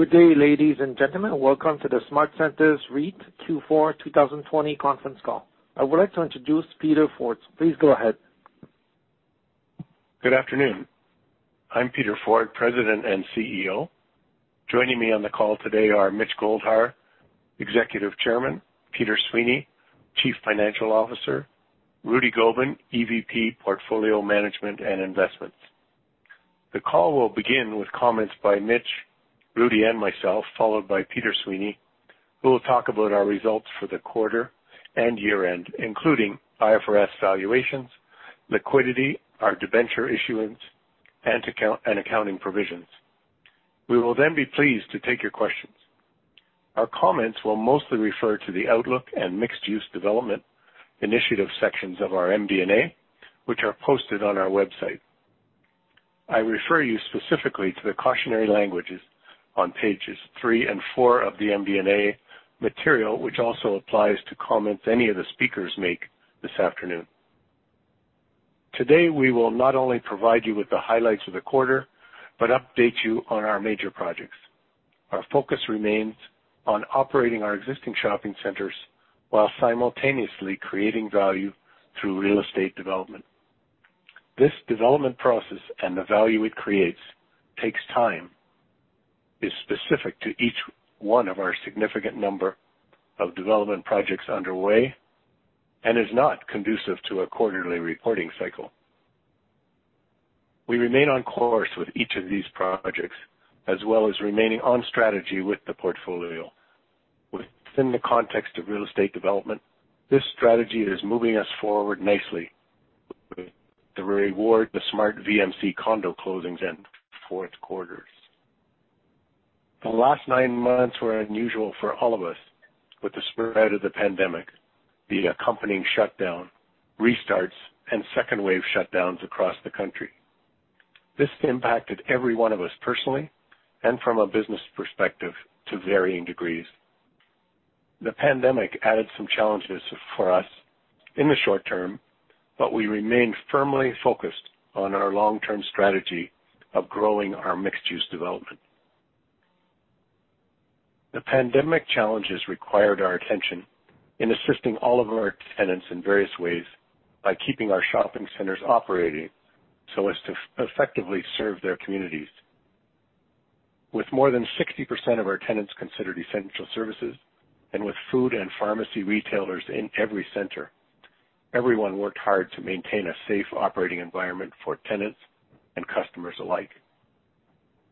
Good day, ladies and gentlemen. Welcome to the SmartCentres REIT Q4 2020 conference call. I would like to introduce Peter Forde. Please go ahead. Good afternoon. I'm Peter Forde, President and CEO. Joining me on the call today are Mitchell Goldhar, Executive Chairman, Peter Sweeney, Chief Financial Officer, Rudy Gobin, EVP, Portfolio Management and Investments. The call will begin with comments by Mitch, Rudy, and myself, followed by Peter Sweeney, who will talk about our results for the quarter and year-end, including IFRS valuations, liquidity, our debenture issuance, and accounting provisions. We will then be pleased to take your questions. Our comments will mostly refer to the outlook and mixed-use development initiative sections of our MD&A, which are posted on our website. I refer you specifically to the cautionary languages on pages three and four of the MD&A material, which also applies to comments any of the speakers make this afternoon. Today, we will not only provide you with the highlights of the quarter but update you on our major projects. Our focus remains on operating our existing shopping centers while simultaneously creating value through real estate development. This development process and the value it creates takes time, is specific to each one of our significant number of development projects underway, and is not conducive to a quarterly reporting cycle. We remain on course with each of these projects as well as remaining on strategy with the portfolio. Within the context of real estate development, this strategy is moving us forward nicely with the reward of the SmartVMC condo closings in fourth quarters. The last nine months were unusual for all of us, with the spread of the pandemic, the accompanying shutdown, restarts, and second-wave shutdowns across the country. This impacted every one of us personally and from a business perspective to varying degrees. The pandemic added some challenges for us in the short term, but we remain firmly focused on our long-term strategy of growing our mixed-use development. The pandemic challenges required our attention in assisting all of our tenants in various ways by keeping our shopping centers operating so as to effectively serve their communities. With more than 60% of our tenants considered essential services and with food and pharmacy retailers in every center, everyone worked hard to maintain a safe operating environment for tenants and customers alike.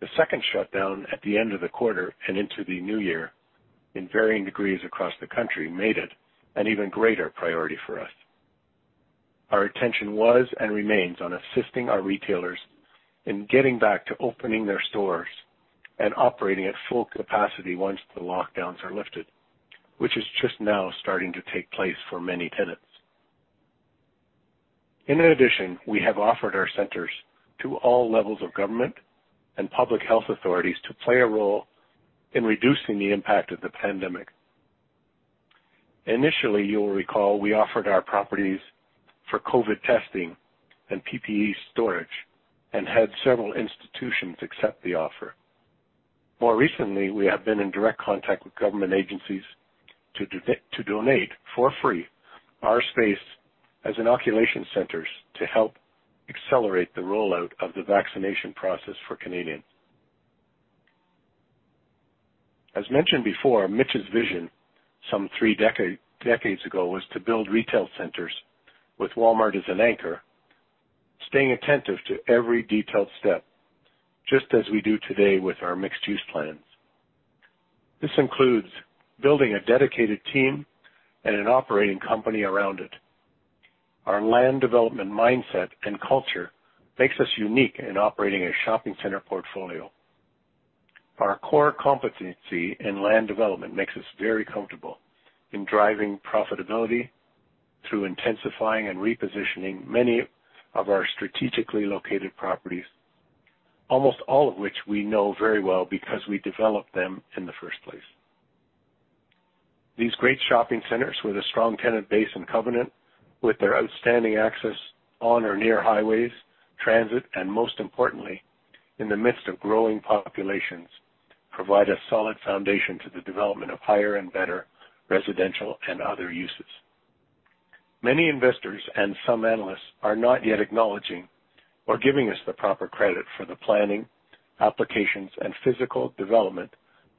The second shutdown at the end of the quarter and into the new year in varying degrees across the country made it an even greater priority for us. Our attention was and remains on assisting our retailers in getting back to opening their stores and operating at full capacity once the lockdowns are lifted, which is just now starting to take place for many tenants. In addition, we have offered our centers to all levels of government and public health authorities to play a role in reducing the impact of the pandemic. Initially, you'll recall, we offered our properties for COVID testing and PPE storage and had several institutions accept the offer. More recently, we have been in direct contact with government agencies to donate, for free, our space as inoculation centers to help accelerate the rollout of the vaccination process for Canadians. As mentioned before, Mitch's vision some three decades ago was to build retail centers with Walmart as an anchor, staying attentive to every detailed step, just as we do today with our mixed-use plans. This includes building a dedicated team and an operating company around it. Our land development mindset and culture makes us unique in operating a shopping center portfolio. Our core competency in land development makes us very comfortable in driving profitability through intensifying and repositioning many of our strategically located properties, almost all of which we know very well because we developed them in the first place. These great shopping centers with a strong tenant base and covenant with their outstanding access on or near highways, transit, and most importantly, in the midst of growing populations, provide a solid foundation to the development of higher and better residential and other uses. Many investors and some analysts are not yet acknowledging or giving us the proper credit for the planning, applications, and physical development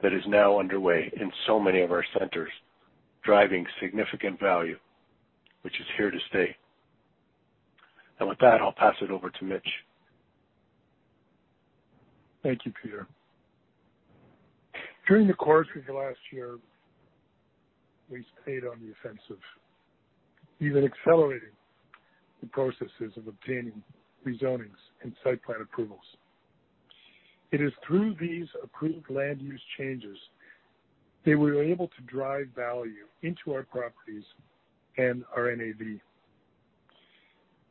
that is now underway in so many of our centers, driving significant value, which is here to stay. With that, I'll pass it over to Mitch. Thank you, Peter. During the course of last year, we stayed on the offensive, even accelerating the processes of obtaining rezonings and site plan approvals. It is through these approved land use changes that we were able to drive value into our properties and our NAV.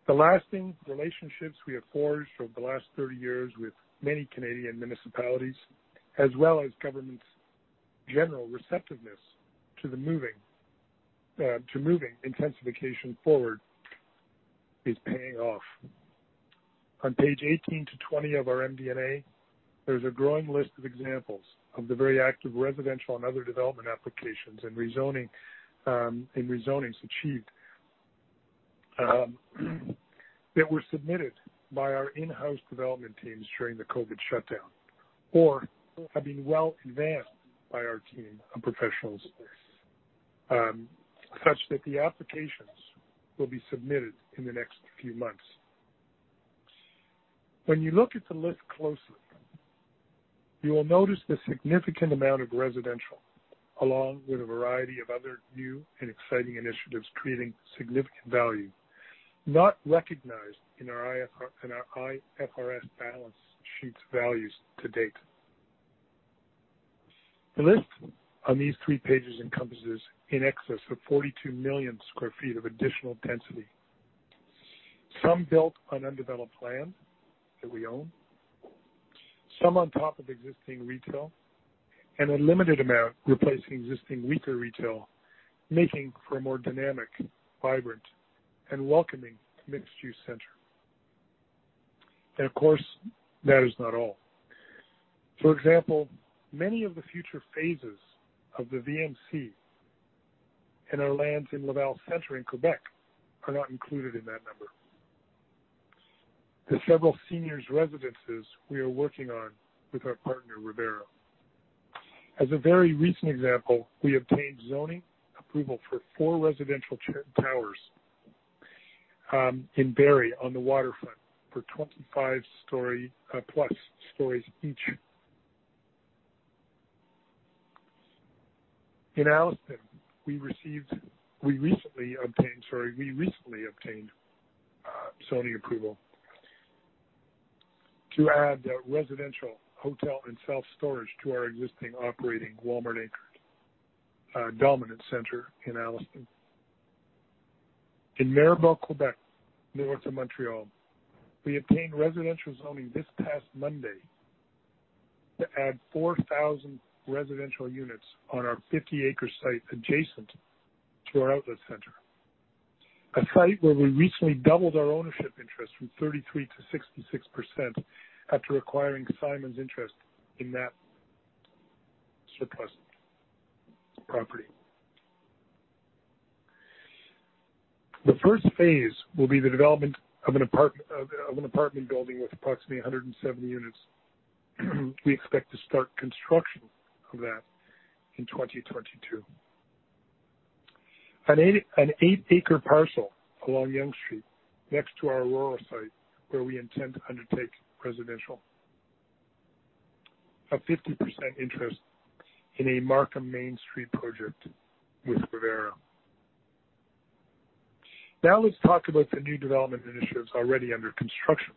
The lasting relationships we have forged over the last 30 years with many Canadian municipalities, as well as governments' general receptiveness to moving intensification forward is paying off. On page 18 to 20 of our MD&A, there's a growing list of examples of the very active residential and other development applications and rezonings achieved that were submitted by our in-house development teams during the COVID shutdown, or have been well advanced by our team of professionals, such that the applications will be submitted in the next few months. When you look at the list closely, you will notice the significant amount of residential, along with a variety of other new and exciting initiatives creating significant value not recognized in our IFRS balance sheet values to date. The list on these three pages encompasses in excess of 42 million sq ft of additional density. Some built on undeveloped land that we own, some on top of existing retail, a limited amount replacing existing weaker retail, making for a more dynamic, vibrant, and welcoming mixed-use center. Of course, that is not all. For example, many of the future phases of the VMC and our lands in Laval Centre in Quebec are not included in that number. The several seniors residences we are working on with our partner, Revera. As a very recent example, we obtained zoning approval for four residential towers in Barrie on the waterfront for 25+ stories each. In Alliston, we recently obtained zoning approval to add residential, hotel, and self-storage to our existing operating Walmart anchored dominant center in Alliston. In Mirabel, Quebec, north of Montreal, we obtained residential zoning this past Monday to add 4,000 residential units on our 50-acre site adjacent to our outlet center. A site where we recently doubled our ownership interest from 33%-66% after acquiring Simon's interest in that surplus property. The first phase will be the development of an apartment building with approximately 170 units. We expect to start construction of that in 2022. An eight-acre parcel along Yonge Street, next to our Aurora site, where we intend to undertake residential. A 50% interest in a Markham Main Street project with Revera. Let's talk about the new development initiatives already under construction.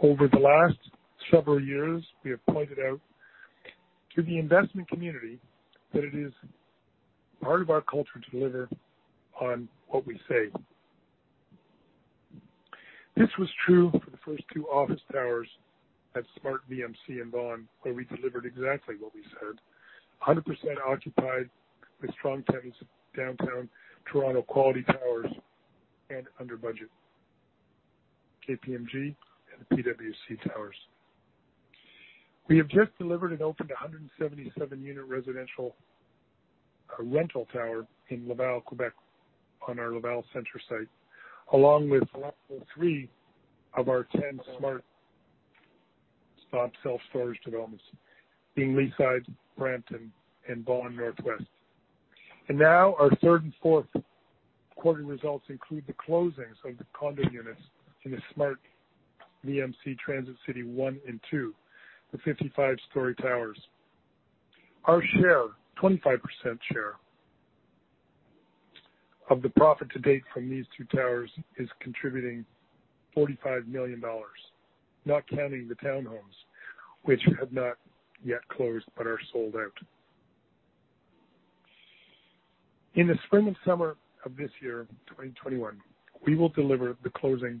Over the last several years, we have pointed out to the investment community that it is part of our culture to deliver on what we say. This was true for the first two office towers at SmartVMC in Vaughan, where we delivered exactly what we said. 100% occupied with strong tenants of downtown Toronto quality towers and under budget. KPMG and PwC Towers. We have just delivered and opened 177 unit residential rental tower in Laval, Quebec on our Laval Centre site, along with three of our 10 SmartStop Self Storage developments in Leaside, Brampton, and Vaughan Northwest. Now our third and fourth quarter results include the closings of the condo units in the SmartVMC Transit City 1 and 2, the 55-story towers. Our share, 25% share of the profit to date from these two towers is contributing 45 million dollars, not counting the townhomes, which have not yet closed but are sold out. In the spring and summer of this year, 2021, we will deliver the closing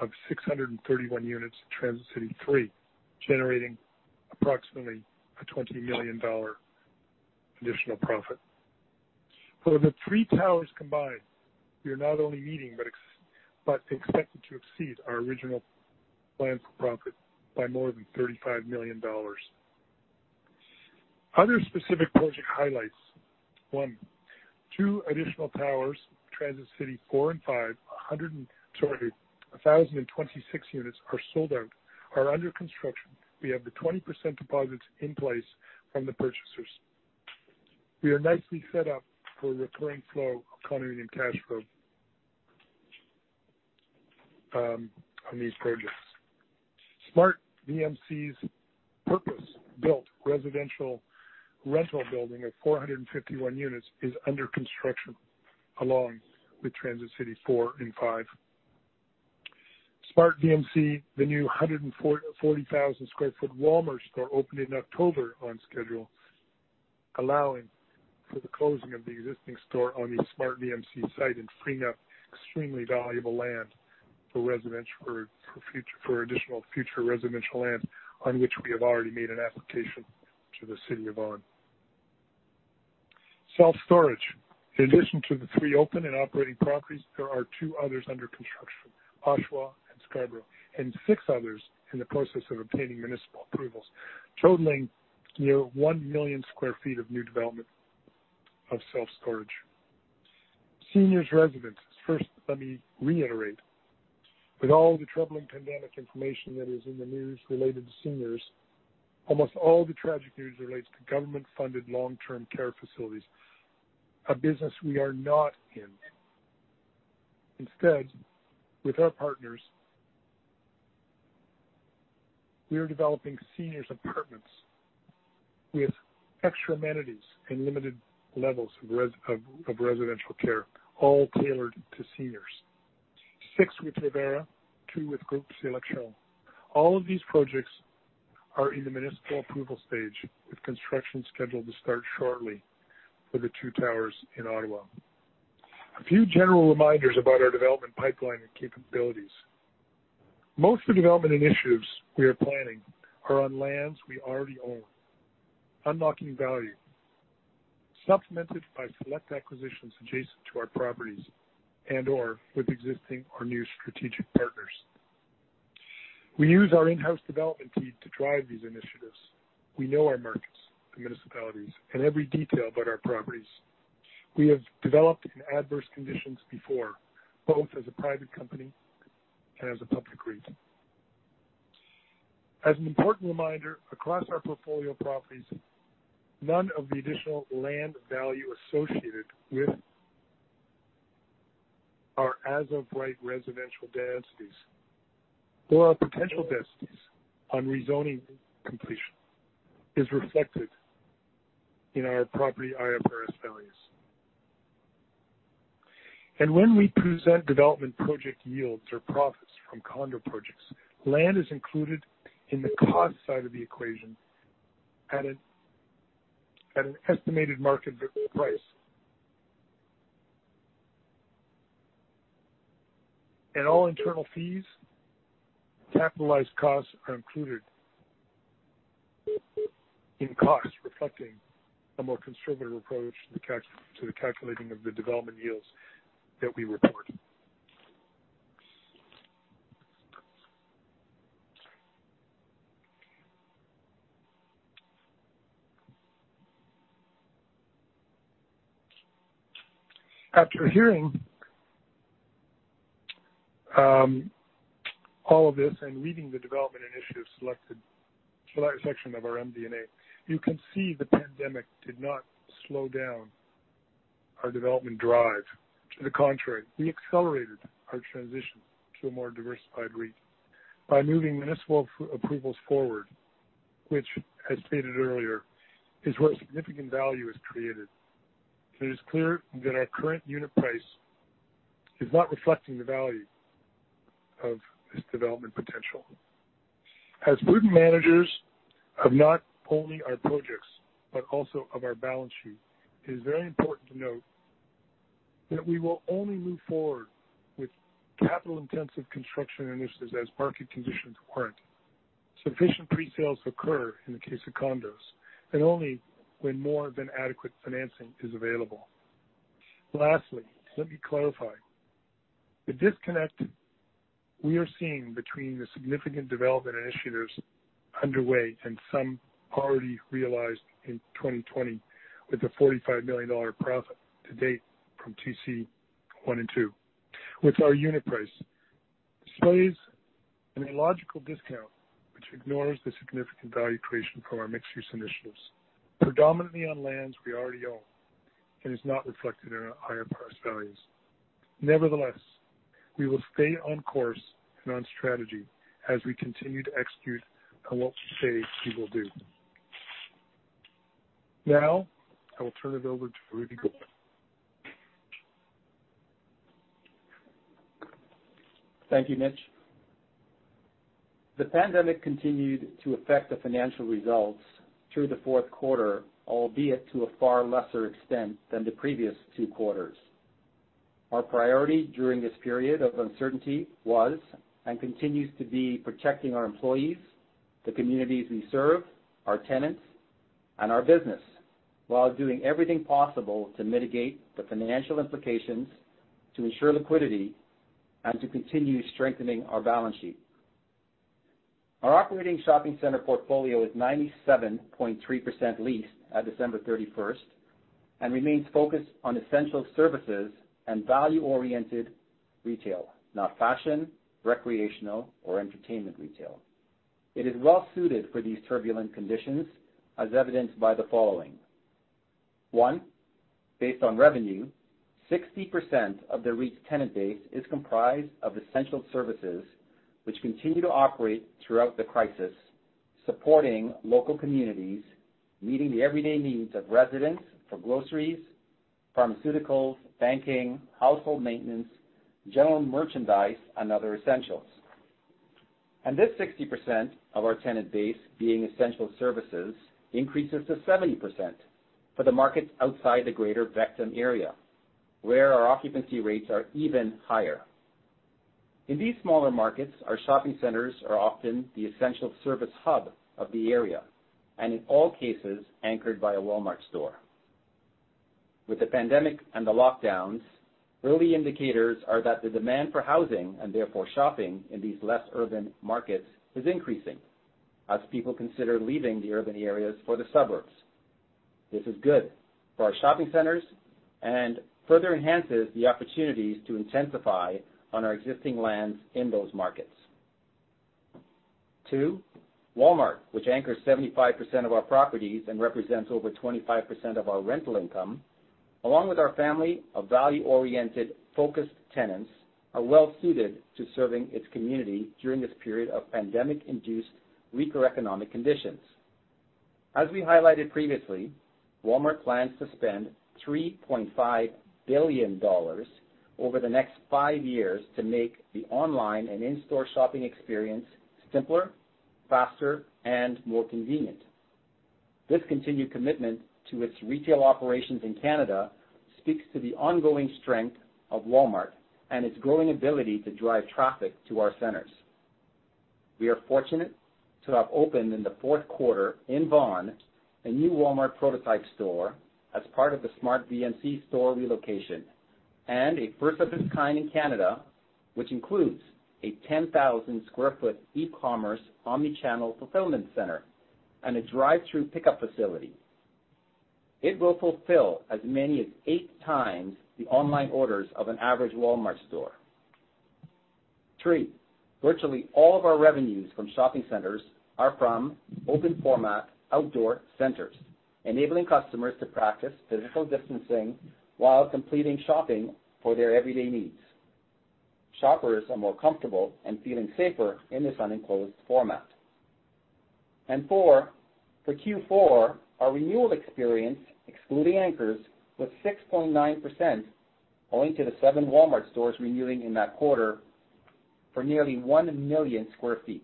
of 631 units in Transit City 3, generating approximately a 20 million dollar additional profit. For the three towers combined, we are not only meeting but expected to exceed our original plans for profit by more than 35 million dollars. Other specific project highlights. One, two additional towers, Transit City 4 and 5, 1,026 units are sold out, are under construction. We have the 20% deposits in place from the purchasers. We are nicely set up for recurring flow continuing in cash flow on these projects. SmartVMC's purpose-built residential rental building of 451 units is under construction, along with Transit City 4 and 5. SmartVMC, the new 140,000 sq ft Walmart store opened in October on schedule, allowing for the closing of the existing store on the SmartVMC site and freeing up extremely valuable land for additional future residential land on which we have already made an application to the City of Vaughan. Self-storage. In addition to the three open and operating properties, there are two others under construction, Oshawa and Scarborough, and six others in the process of obtaining municipal approvals, totaling near 1 million sq ft of new development of self-storage. Seniors residence. First, let me reiterate, with all the troubling pandemic information that is in the news related to seniors, almost all the tragic news relates to government-funded long-term care facilities, a business we are not in. Instead, with our partners, we are developing seniors' apartments with extra amenities and limited levels of residential care, all tailored to seniors. Six with Revera, two with Groupe Sélection. All of these projects are in the municipal approval stage, with construction scheduled to start shortly for the two towers in Ottawa. A few general reminders about our development pipeline and capabilities. Most of the development initiatives we are planning are on lands we already own. Unlocking value, supplemented by select acquisitions adjacent to our properties and/or with existing or new strategic partners. We use our in-house development team to drive these initiatives. We know our markets, the municipalities, and every detail about our properties. We have developed in adverse conditions before, both as a private company and as a public REIT. As an important reminder, across our portfolio properties, none of the additional land value associated with our as-of-right residential densities or our potential densities on rezoning completion is reflected in our property IFRS values. When we present development project yields or profits from condo projects, land is included in the cost side of the equation at an estimated market price. All internal fees, capitalized costs are included in cost, reflecting a more conservative approach to the calculating of the development yields that we report. After hearing all of this and reading the development initiatives section of our MD&A, you can see the pandemic did not slow down our development drive. To the contrary, we accelerated our transition to a more diversified REIT by moving municipal approvals forward, which, as stated earlier, is where significant value is created. It is clear that our current unit price is not reflecting the value of this development potential. As prudent managers of not only our projects but also of our balance sheet, it is very important to note that we will only move forward with capital-intensive construction initiatives as market conditions warrant, sufficient pre-sales occur in the case of condos, and only when more than adequate financing is available. Lastly, let me clarify. The disconnect we are seeing between the significant development initiatives underway and some already realized in 2020 with a 45 million dollar profit to date from Transit City 1 and 2 with our unit price displays an illogical discount which ignores the significant value creation from our mixed-use initiatives, predominantly on lands we already own and is not reflected in our higher price values. Nevertheless, we will stay on course and on strategy as we continue to execute on what we say we will do. Now, I will turn it over to Rudy Gobin. Thank you, Mitch. The pandemic continued to affect the financial results through the fourth quarter, albeit to a far lesser extent than the previous two quarters. Our priority during this period of uncertainty was and continues to be protecting our employees, the communities we serve, our tenants, and our business while doing everything possible to mitigate the financial implications, to ensure liquidity, and to continue strengthening our balance sheet. Our operating shopping center portfolio is 97.3% leased at December 31st and remains focused on essential services and value-oriented retail, not fashion, recreational, or entertainment retail. It is well suited for these turbulent conditions as evidenced by the following. One, based on revenue, 60% of the REIT's tenant base is comprised of essential services which continue to operate throughout the crisis, supporting local communities, meeting the everyday needs of residents for groceries, pharmaceuticals, banking, household maintenance, general merchandise, and other essentials. This 60% of our tenant base being essential services increases to 70% for the markets outside the Greater-VECTOM Area, where our occupancy rates are even higher. In these smaller markets, our shopping centers are often the essential service hub of the area, and in all cases, anchored by a Walmart store. With the pandemic and the lockdowns, early indicators are that the demand for housing, and therefore shopping, in these less urban markets is increasing as people consider leaving the urban areas for the suburbs. This is good for our shopping centers and further enhances the opportunities to intensify on our existing lands in those markets. Two, Walmart, which anchors 75% of our properties and represents over 25% of our rental income, along with our family of value-oriented focused tenants, are well-suited to serving its community during this period of pandemic-induced weaker economic conditions. As we highlighted previously, Walmart plans to spend 3.5 billion dollars over the next five years to make the online and in-store shopping experience simpler, faster, and more convenient. This continued commitment to its retail operations in Canada speaks to the ongoing strength of Walmart and its growing ability to drive traffic to our centers. We are fortunate to have opened in the fourth quarter in Vaughan, a new Walmart prototype store as part of the SmartVMC store relocation and a first of its kind in Canada, which includes a 10,000 square foot e-commerce omni-channel fulfillment center and a drive-through pickup facility. It will fulfill as many as 8x the online orders of an average Walmart store. Three, virtually all of our revenues from shopping centers are from open format outdoor centers, enabling customers to practice physical distancing while completing shopping for their everyday needs. Shoppers are more comfortable and feeling safer in this unenclosed format. For Q4, our renewal experience, excluding anchors, was 6.9%, owing to the seven Walmart stores renewing in that quarter for nearly 1 million sq ft.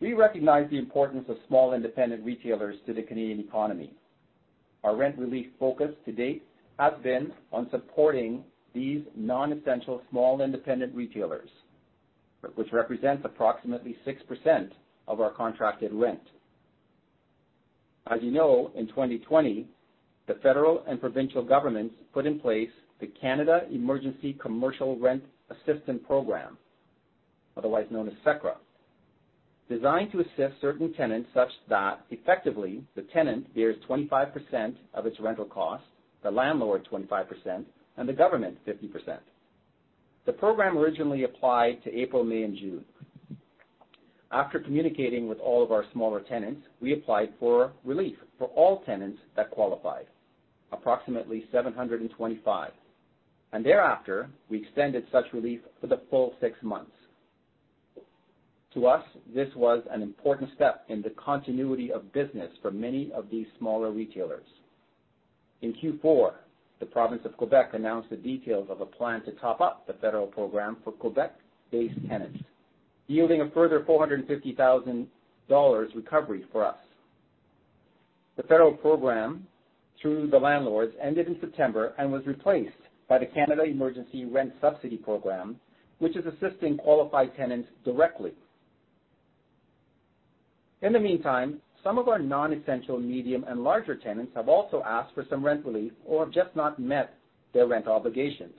We recognize the importance of small independent retailers to the Canadian economy. Our rent relief focus to date has been on supporting these non-essential small independent retailers, which represents approximately 6% of our contracted rent. As you know, in 2020, the federal and provincial governments put in place the Canada Emergency Commercial Rent Assistance Program, otherwise known as CECRA, designed to assist certain tenants such that effectively the tenant bears 25% of its rental cost, the landlord 25%, and the government 50%. The program originally applied to April, May, and June. After communicating with all of our smaller tenants, we applied for relief for all tenants that qualified, approximately 725. Thereafter, we extended such relief for the full six months. To us, this was an important step in the continuity of business for many of these smaller retailers. In Q4, the province of Quebec announced the details of a plan to top up the federal program for Quebec-based tenants, yielding a further 450,000 dollars recovery for us. The federal program through the landlords ended in September and was replaced by the Canada Emergency Rent Subsidy Program, which is assisting qualified tenants directly. In the meantime, some of our non-essential medium and larger tenants have also asked for some rent relief or have just not met their rent obligations.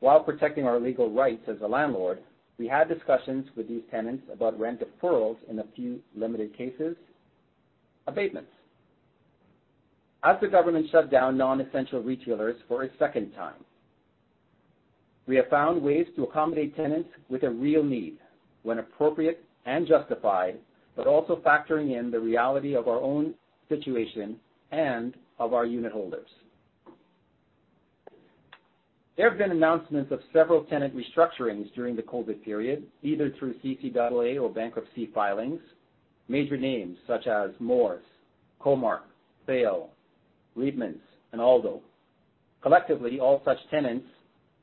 While protecting our legal rights as a landlord, we had discussions with these tenants about rent deferrals in a few limited cases, abatements. As the government shut down non-essential retailers for a second time, we have found ways to accommodate tenants with a real need when appropriate and justified, but also factoring in the reality of our own situation and of our unitholders. There have been announcements of several tenant restructurings during the COVID period, either through CCAA or bankruptcy filings. Major names such as Moores, Comark, SAIL, Reitmans, and Aldo. Collectively, all such tenants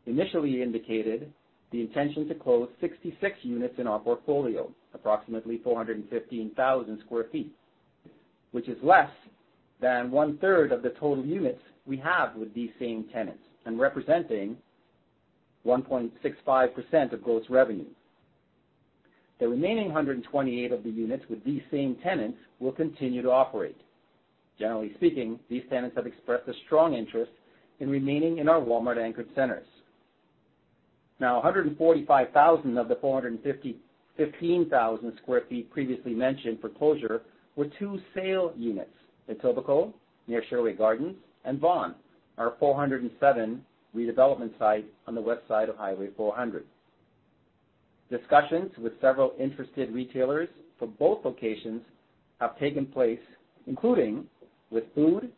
initially indicated the intention to close 66 units in our portfolio, approximately 415,000 sq ft, which is less than one-third of the total units we have with these same tenants and representing 1.65% of gross revenue. The remaining 128 of the units with these same tenants will continue to operate. Generally speaking, these tenants have expressed a strong interest in remaining in our Walmart anchored centers. 145,000 sq ft of the 415,000 sq ft previously mentioned for closure were two SAIL units, Etobicoke near Sherway Gardens, and Vaughan, our 407 redevelopment site on the west side of Highway 400. Discussions with several interested retailers for both locations have taken place, including with food,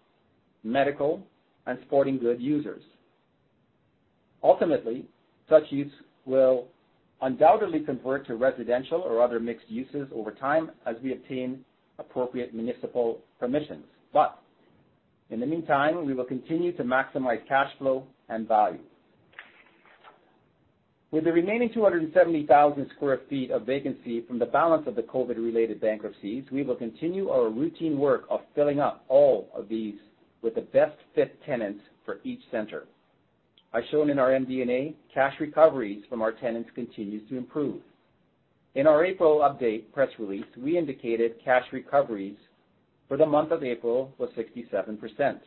medical, and sporting good users. Ultimately, such use will undoubtedly convert to residential or other mixed uses over time as we obtain appropriate municipal permissions. In the meantime, we will continue to maximize cash flow and value. With the remaining 270,000 sq ft of vacancy from the balance of the COVID-related bankruptcies, we will continue our routine work of filling up all of these with the best fit tenants for each center. As shown in our MD&A, cash recoveries from our tenants continues to improve. In our April update press release, we indicated cash recoveries for the month of April was 67%.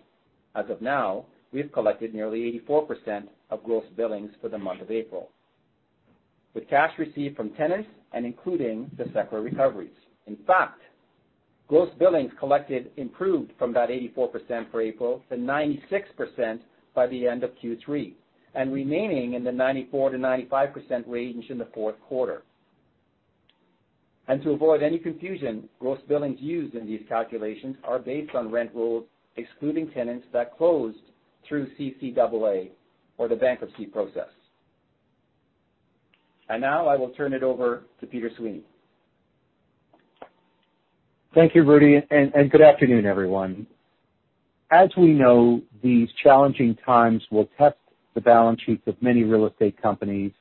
As of now, we've collected nearly 84% of gross billings for the month of April, with cash received from tenants and including the CECRA recoveries. In fact, gross billings collected improved from that 84% for April to 96% by the end of Q3, and remaining in the 94%-95% range in the fourth quarter. To avoid any confusion, gross billings used in these calculations are based on rent rolls, excluding tenants that closed through CCAA or the bankruptcy filings process. Now I will turn it over to Peter Sweeney. Thank you, Rudy, and good afternoon, everyone. As we know, these challenging times will test the balance sheets of many real estate companies.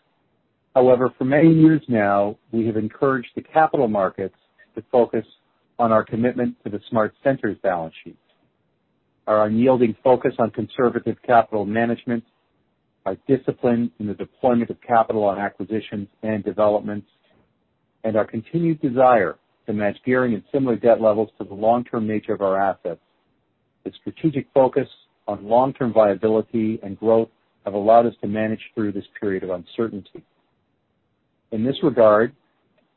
However, for many years now, we have encouraged the capital markets to focus on our commitment to the SmartCentres balance sheets. Our unyielding focus on conservative capital management, our discipline in the deployment of capital on acquisitions and developments, and our continued desire to match gearing and similar debt levels to the long-term nature of our assets. The strategic focus on long-term viability and growth have allowed us to manage through this period of uncertainty. In this regard,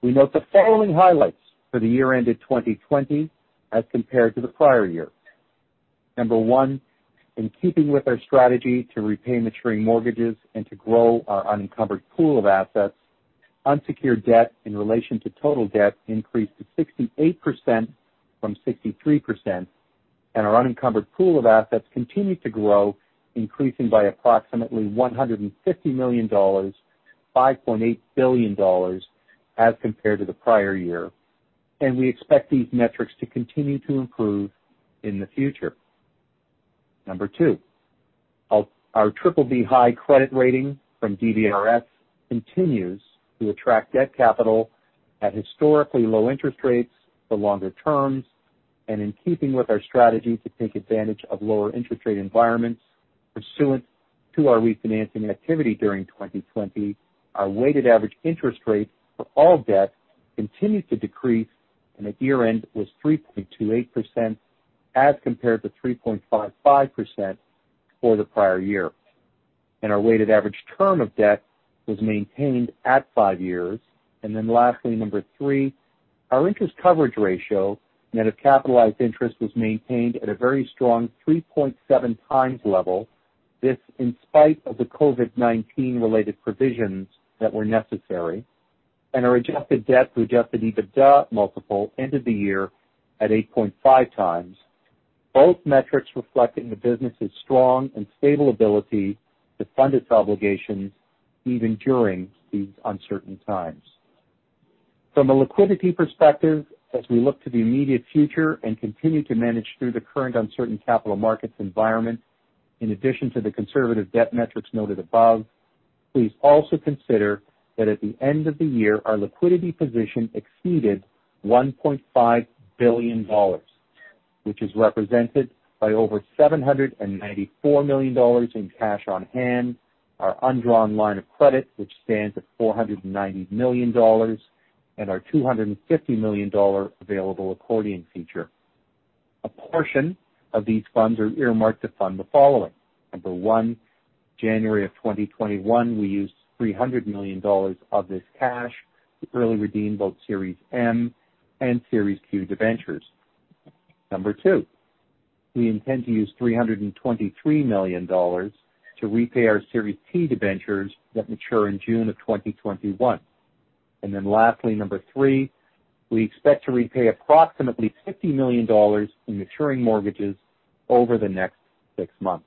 we note the following highlights for the year ended 2020 as compared to the prior year. Number one, in keeping with our strategy to repay maturing mortgages and to grow our unencumbered pool of assets, unsecured debt in relation to total debt increased to 68% from 63%, and our unencumbered pool of assets continued to grow, increasing by approximately 150 million dollars, 5.8 billion dollars as compared to the prior year. We expect these metrics to continue to improve in the future. Number two, our BBB high credit rating from DBRS continues to attract debt capital at historically low interest rates for longer terms. In keeping with our strategy to take advantage of lower interest rate environments pursuant to our refinancing activity during 2020, our weighted average interest rate for all debt continued to decrease, and at year-end was 3.28%, as compared to 3.55% for the prior year. Our weighted average term of debt was maintained at five years. Lastly, number three, our interest coverage ratio, net of capitalized interest, was maintained at a very strong 3.7x level. This in spite of the COVID-19 related provisions that were necessary. Our adjusted debt to adjusted EBITDA multiple ended the year at 8.5x. Both metrics reflecting the business's strong and stable ability to fund its obligations even during these uncertain times. From a liquidity perspective, as we look to the immediate future and continue to manage through the current uncertain capital markets environment, in addition to the conservative debt metrics noted above, please also consider that at the end of the year, our liquidity position exceeded 1.5 billion dollars, which is represented by over 794 million dollars in cash on hand, our undrawn line of credit, which stands at 490 million dollars, and our 250 million dollar available accordion feature. A portion of these funds are earmarked to fund the following. Number one, January of 2021, we used 300 million dollars of this cash to fully redeem both Series M and Series Q debentures. Number two, we intend to use 323 million dollars to repay our Series P debentures that mature in June of 2021. Lastly, number three, we expect to repay approximately 50 million dollars in maturing mortgages over the next six months.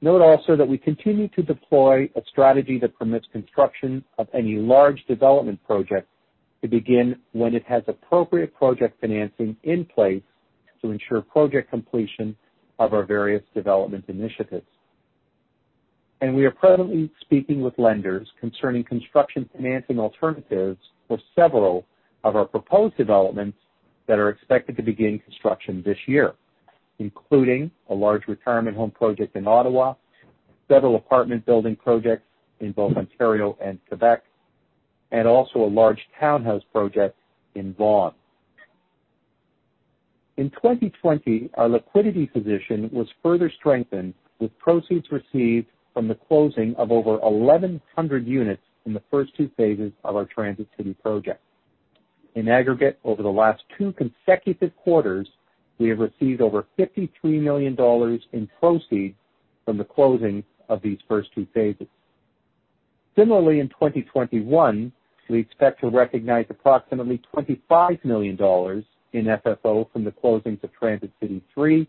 Note also that we continue to deploy a strategy that permits construction of any large development project to begin when it has appropriate project financing in place to ensure project completion of our various development initiatives. We are presently speaking with lenders concerning construction financing alternatives for several of our proposed developments that are expected to begin construction this year, including a large retirement home project in Ottawa, several apartment building projects in both Ontario and Quebec, and also a large townhouse project in Vaughan. In 2020, our liquidity position was further strengthened with proceeds received from the closing of over 1,100 units in the first two phases of our Transit City project. In aggregate, over the last two consecutive quarters, we have received over 53 million dollars in proceeds from the closing of these first two phases. Similarly, in 2021, we expect to recognize approximately 25 million dollars in FFO from the closings of Transit City 3.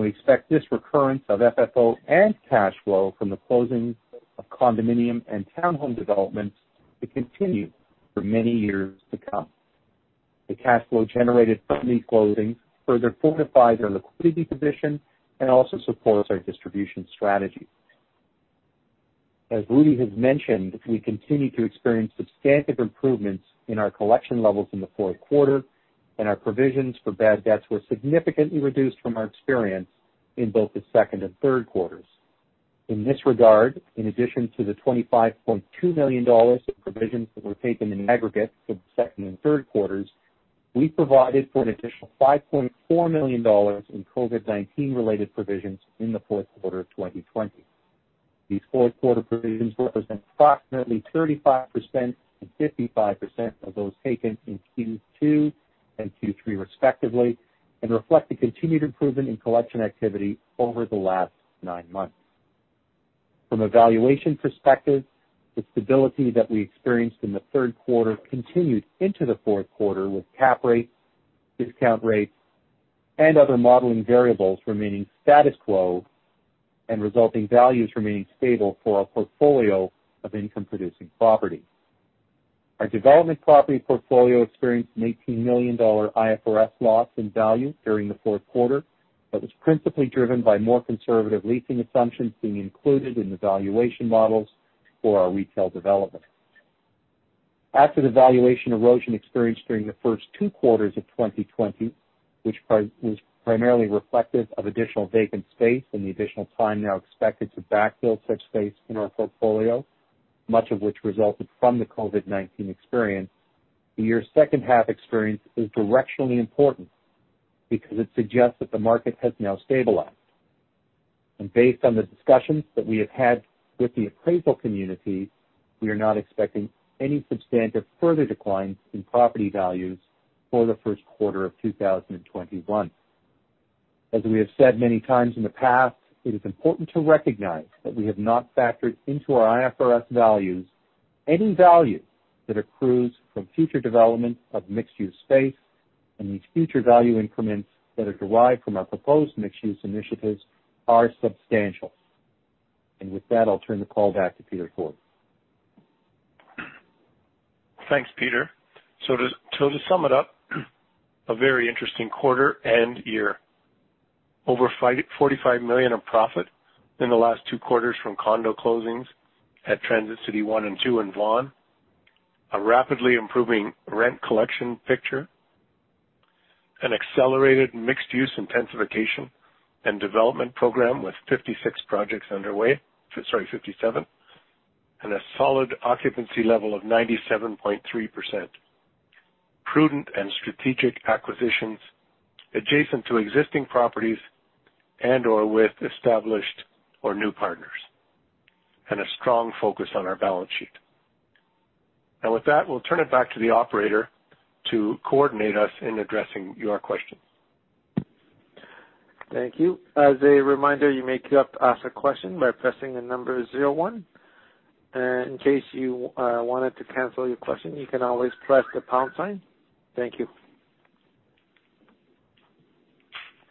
We expect this recurrence of FFO and cash flow from the closings of condominium and town home developments to continue for many years to come. The cash flow generated from these closings further fortifies our liquidity position and also supports our distribution strategy. As Rudy has mentioned, we continue to experience substantive improvements in our collection levels in the fourth quarter. Our provisions for bad debts were significantly reduced from our experience in both the second and third quarters. In this regard, in addition to the 25.2 million dollars of provisions that were taken in aggregate for the second and third quarters, we provided for an additional 5.4 million dollars in COVID-19 related provisions in the fourth quarter of 2020. These fourth quarter provisions represent approximately 35% and 55% of those taken in Q2 and Q3 respectively, and reflect the continued improvement in collection activity over the last nine months. From a valuation perspective, the stability that we experienced in the third quarter continued into the fourth quarter, with cap rates, discount rates, and other modeling variables remaining status quo and resulting values remaining stable for our portfolio of income-producing properties. Our development property portfolio experienced a 18 million dollar IFRS loss in value during the fourth quarter. That was principally driven by more conservative leasing assumptions being included in the valuation models for our retail development. After the valuation erosion experienced during the first two quarters of 2020, which was primarily reflective of additional vacant space and the additional time now expected to backfill such space in our portfolio, much of which resulted from the COVID-19 experience, the year's second half experience is directionally important because it suggests that the market has now stabilized. Based on the discussions that we have had with the appraisal community, we are not expecting any substantive further declines in property values for the first quarter of 2021. As we have said many times in the past, it is important to recognize that we have not factored into our IFRS values any value that accrues from future development of mixed-use space, these future value increments that are derived from our proposed mixed-use initiatives are substantial. With that, I'll turn the call back to Peter Forde. Thanks, Peter. To sum it up, a very interesting quarter and year. Over 45 million of profit in the last two quarters from condo closings at Transit City 1 and 2 in Vaughan. A rapidly improving rent collection picture. An accelerated mixed-use intensification and development program with 56 projects underway. Sorry, 57. A solid occupancy level of 97.3%. Prudent and strategic acquisitions adjacent to existing properties and/or with established or new partners. A strong focus on our balance sheet. With that, we'll turn it back to the operator to coordinate us in addressing your questions. Thank you. As a reminder, you may queue up to ask a question by pressing the number zero-one. In case you wanted to cancel your question, you can always press the pound sign. Thank you.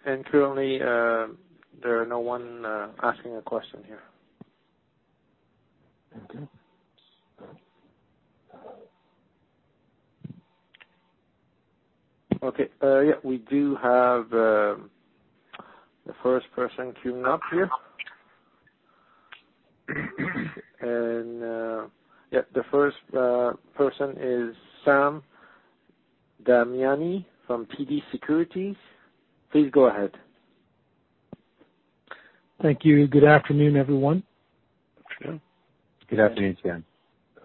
Currently, there are no one asking a question here. Okay. Okay. Yeah, we do have the first person queuing up here. Yeah, the first person is Sam Damiani from TD Securities. Please go ahead. Thank you. Good afternoon, everyone. Thanks, Sam. Good afternoon, Sam. I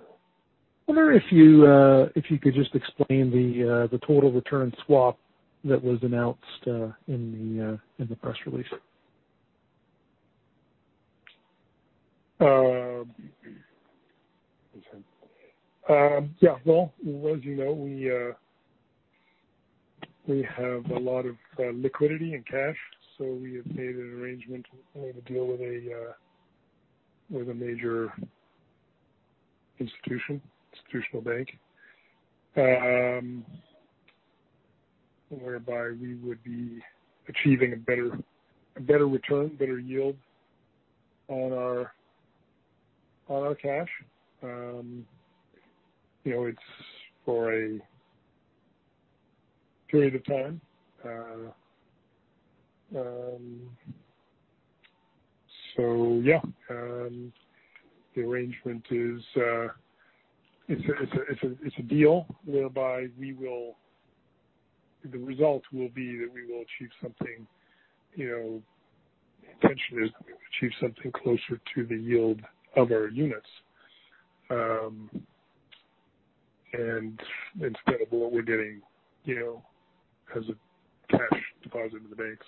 wonder if you could just explain the total return swap that was announced in the press release. Yeah. Well, as you know, we have a lot of liquidity and cash, so we have made an arrangement to make a deal with a major institutional bank, whereby we would be achieving a better return, better yield on our cash. It's for a period of time. Yeah. The arrangement is a deal whereby the result will be that the intention is we achieve something closer to the yield of our units and instead of what we're getting as a cash deposit in the bank.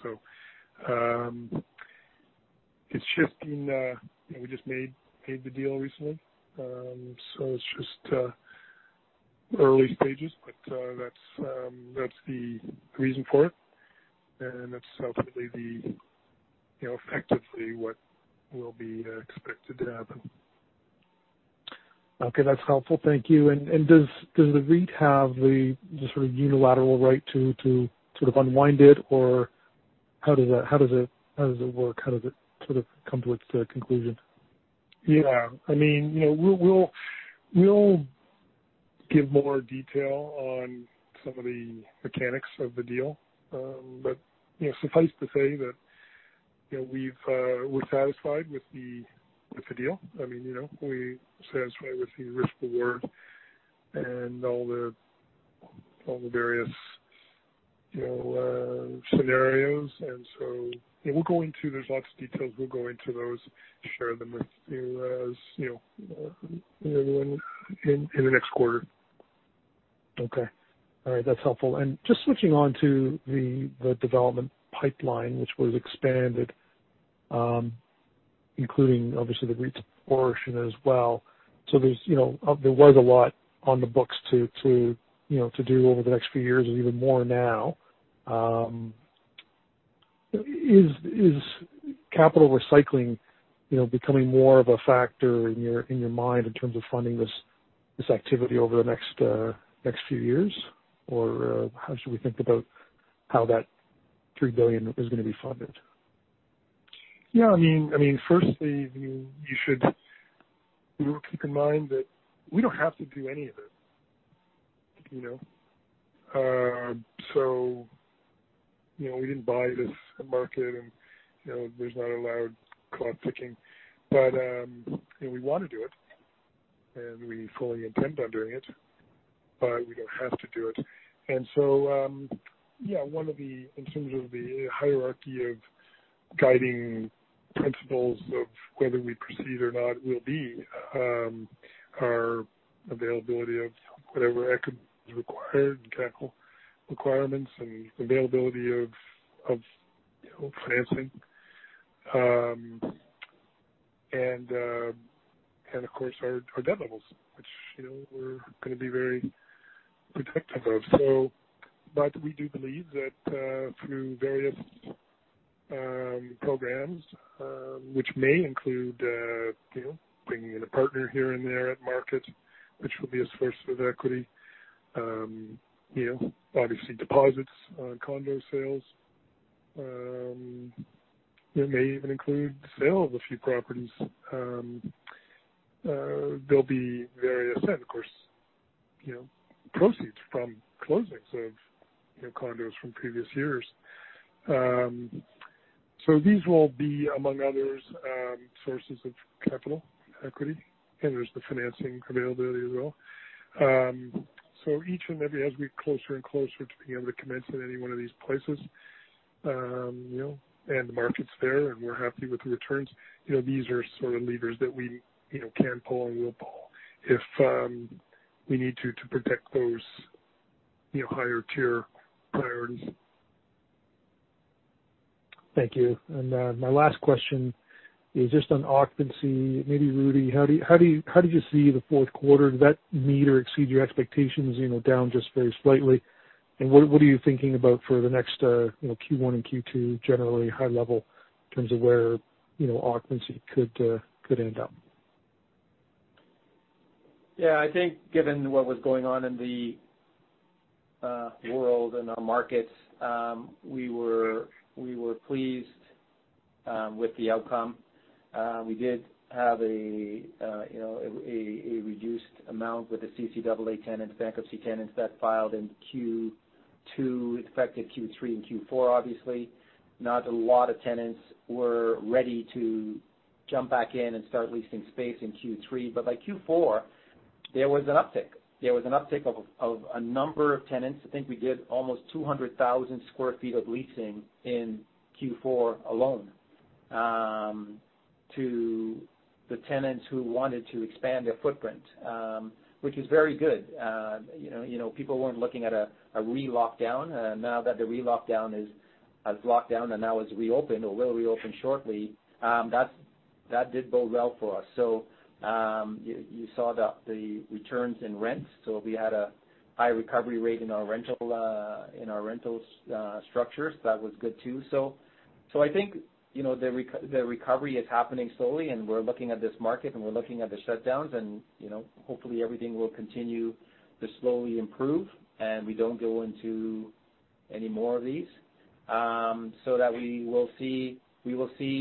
It's shifting. We just made the deal recently. It's just early stages, but that's the reason for it, and that's hopefully effectively what will be expected to happen. Okay. That's helpful. Thank you. Does the REIT have the sort of unilateral right to sort of unwind it, or how does it work? How does it sort of come to its conclusion? Yeah. We'll give more detail on some of the mechanics of the deal. Suffice to say that we're satisfied with the deal. We're satisfied with the risk/reward and all the various scenarios. There's lots of details. We'll go into those, share them with you in the next quarter. Okay. All right. That's helpful. Just switching on to the development pipeline, which was expanded, including obviously the REIT portion as well. There was a lot on the books to do over the next few years and even more now. Is capital recycling becoming more of a factor in your mind in terms of funding this activity over the next few years? Or how should we think about how that 3 billion is going to be funded? Yeah. Firstly, you should keep in mind that we don't have to do any of it. We didn't buy this market, and there's not a loud clock ticking. We want to do it, and we fully intend on doing it, but we don't have to do it. In terms of the hierarchy of guiding principles of whether we proceed or not will be our availability of whatever equity is required and capital requirements and availability of financing. Of course, our debt levels, which we're going to be very protective of. We do believe that through various programs, which may include bringing in a partner here and there at market, which will be a source of equity. Obviously, deposits on condo sales. It may even include the sale of a few properties. There'll be various, and of course, proceeds from closings of condos from previous years. These will be, among others, sources of capital equity, and there's the financing availability as well. Each and every, as we get closer and closer to being able to commence at any one of these places, and the market's there and we're happy with the returns, these are sort of levers that we can pull and will pull if we need to protect those higher tier priorities. Thank you. My last question is just on occupancy. Maybe Rudy, how did you see the fourth quarter? Did that meet or exceed your expectations, down just very slightly? What are you thinking about for the next Q1 and Q2, generally high level in terms of where occupancy could end up? Yeah, I think given what was going on in the world and our markets, we were pleased with the outcome. We did have a reduced amount with the CCAA tenants, bankruptcy filing tenants that filed in Q2, affected Q3 and Q4, obviously. Not a lot of tenants were ready to jump back in and start leasing space in Q3. By Q4, there was an uptick. There was an uptick of a number of tenants. I think we did almost 200,000 sq ft of leasing in Q4 alone to the tenants who wanted to expand their footprint, which is very good. People weren't looking at a re-lockdown. Now that the re-lockdown has locked down and now has reopened or will reopen shortly, that did bode well for us. You saw the returns in rents. We had a high recovery rate in our rental structures. That was good, too. I think the recovery is happening slowly, and we're looking at this market, and we're looking at the shutdowns, and hopefully everything will continue to slowly improve, and we don't go into any more of these, so that we will see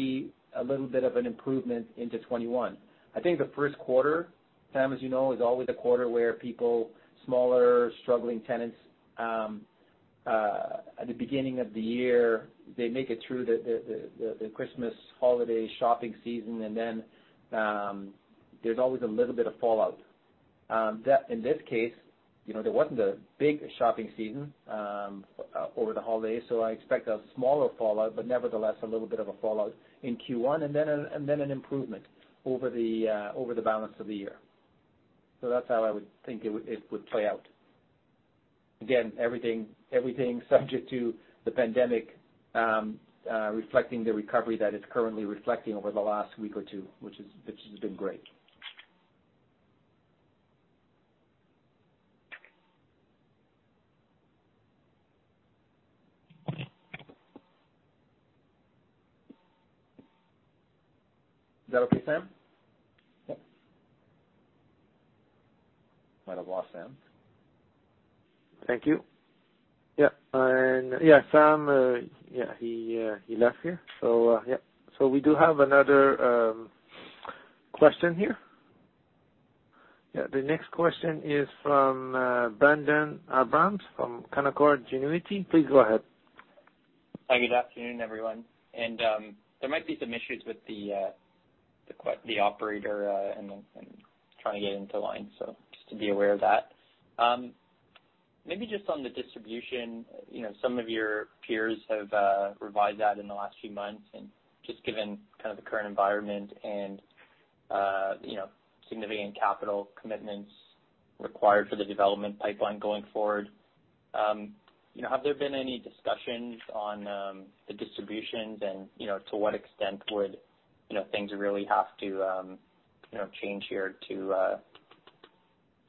a little bit of an improvement into 2021. I think the first quarter, Sam, as you know, is always a quarter where people, smaller, struggling tenants, at the beginning of the year, they make it through the Christmas holiday shopping season, and then there's always a little bit of fallout. In this case, there wasn't a big shopping season over the holidays, so I expect a smaller fallout, but nevertheless, a little bit of a fallout in Q1, and then an improvement over the balance of the year. That's how I would think it would play out. Again, everything subject to the pandemic reflecting the recovery that it's currently reflecting over the last week or two, which has been great. Is that okay, Sam? Yeah. Might have lost Sam. Thank you. Yeah, Sam, he left here. Yeah. We do have another question here. Yeah, the next question is from Brendon Abrams from Canaccord Genuity. Please go ahead. Hi, good afternoon, everyone. There might be some issues with the operator and trying to get into line. Just to be aware of that. Maybe just on the distribution, some of your peers have revised that in the last few months, and just given kind of the current environment and significant capital commitments required for the development pipeline going forward, have there been any discussions on the distributions and to what extent would things really have to change here to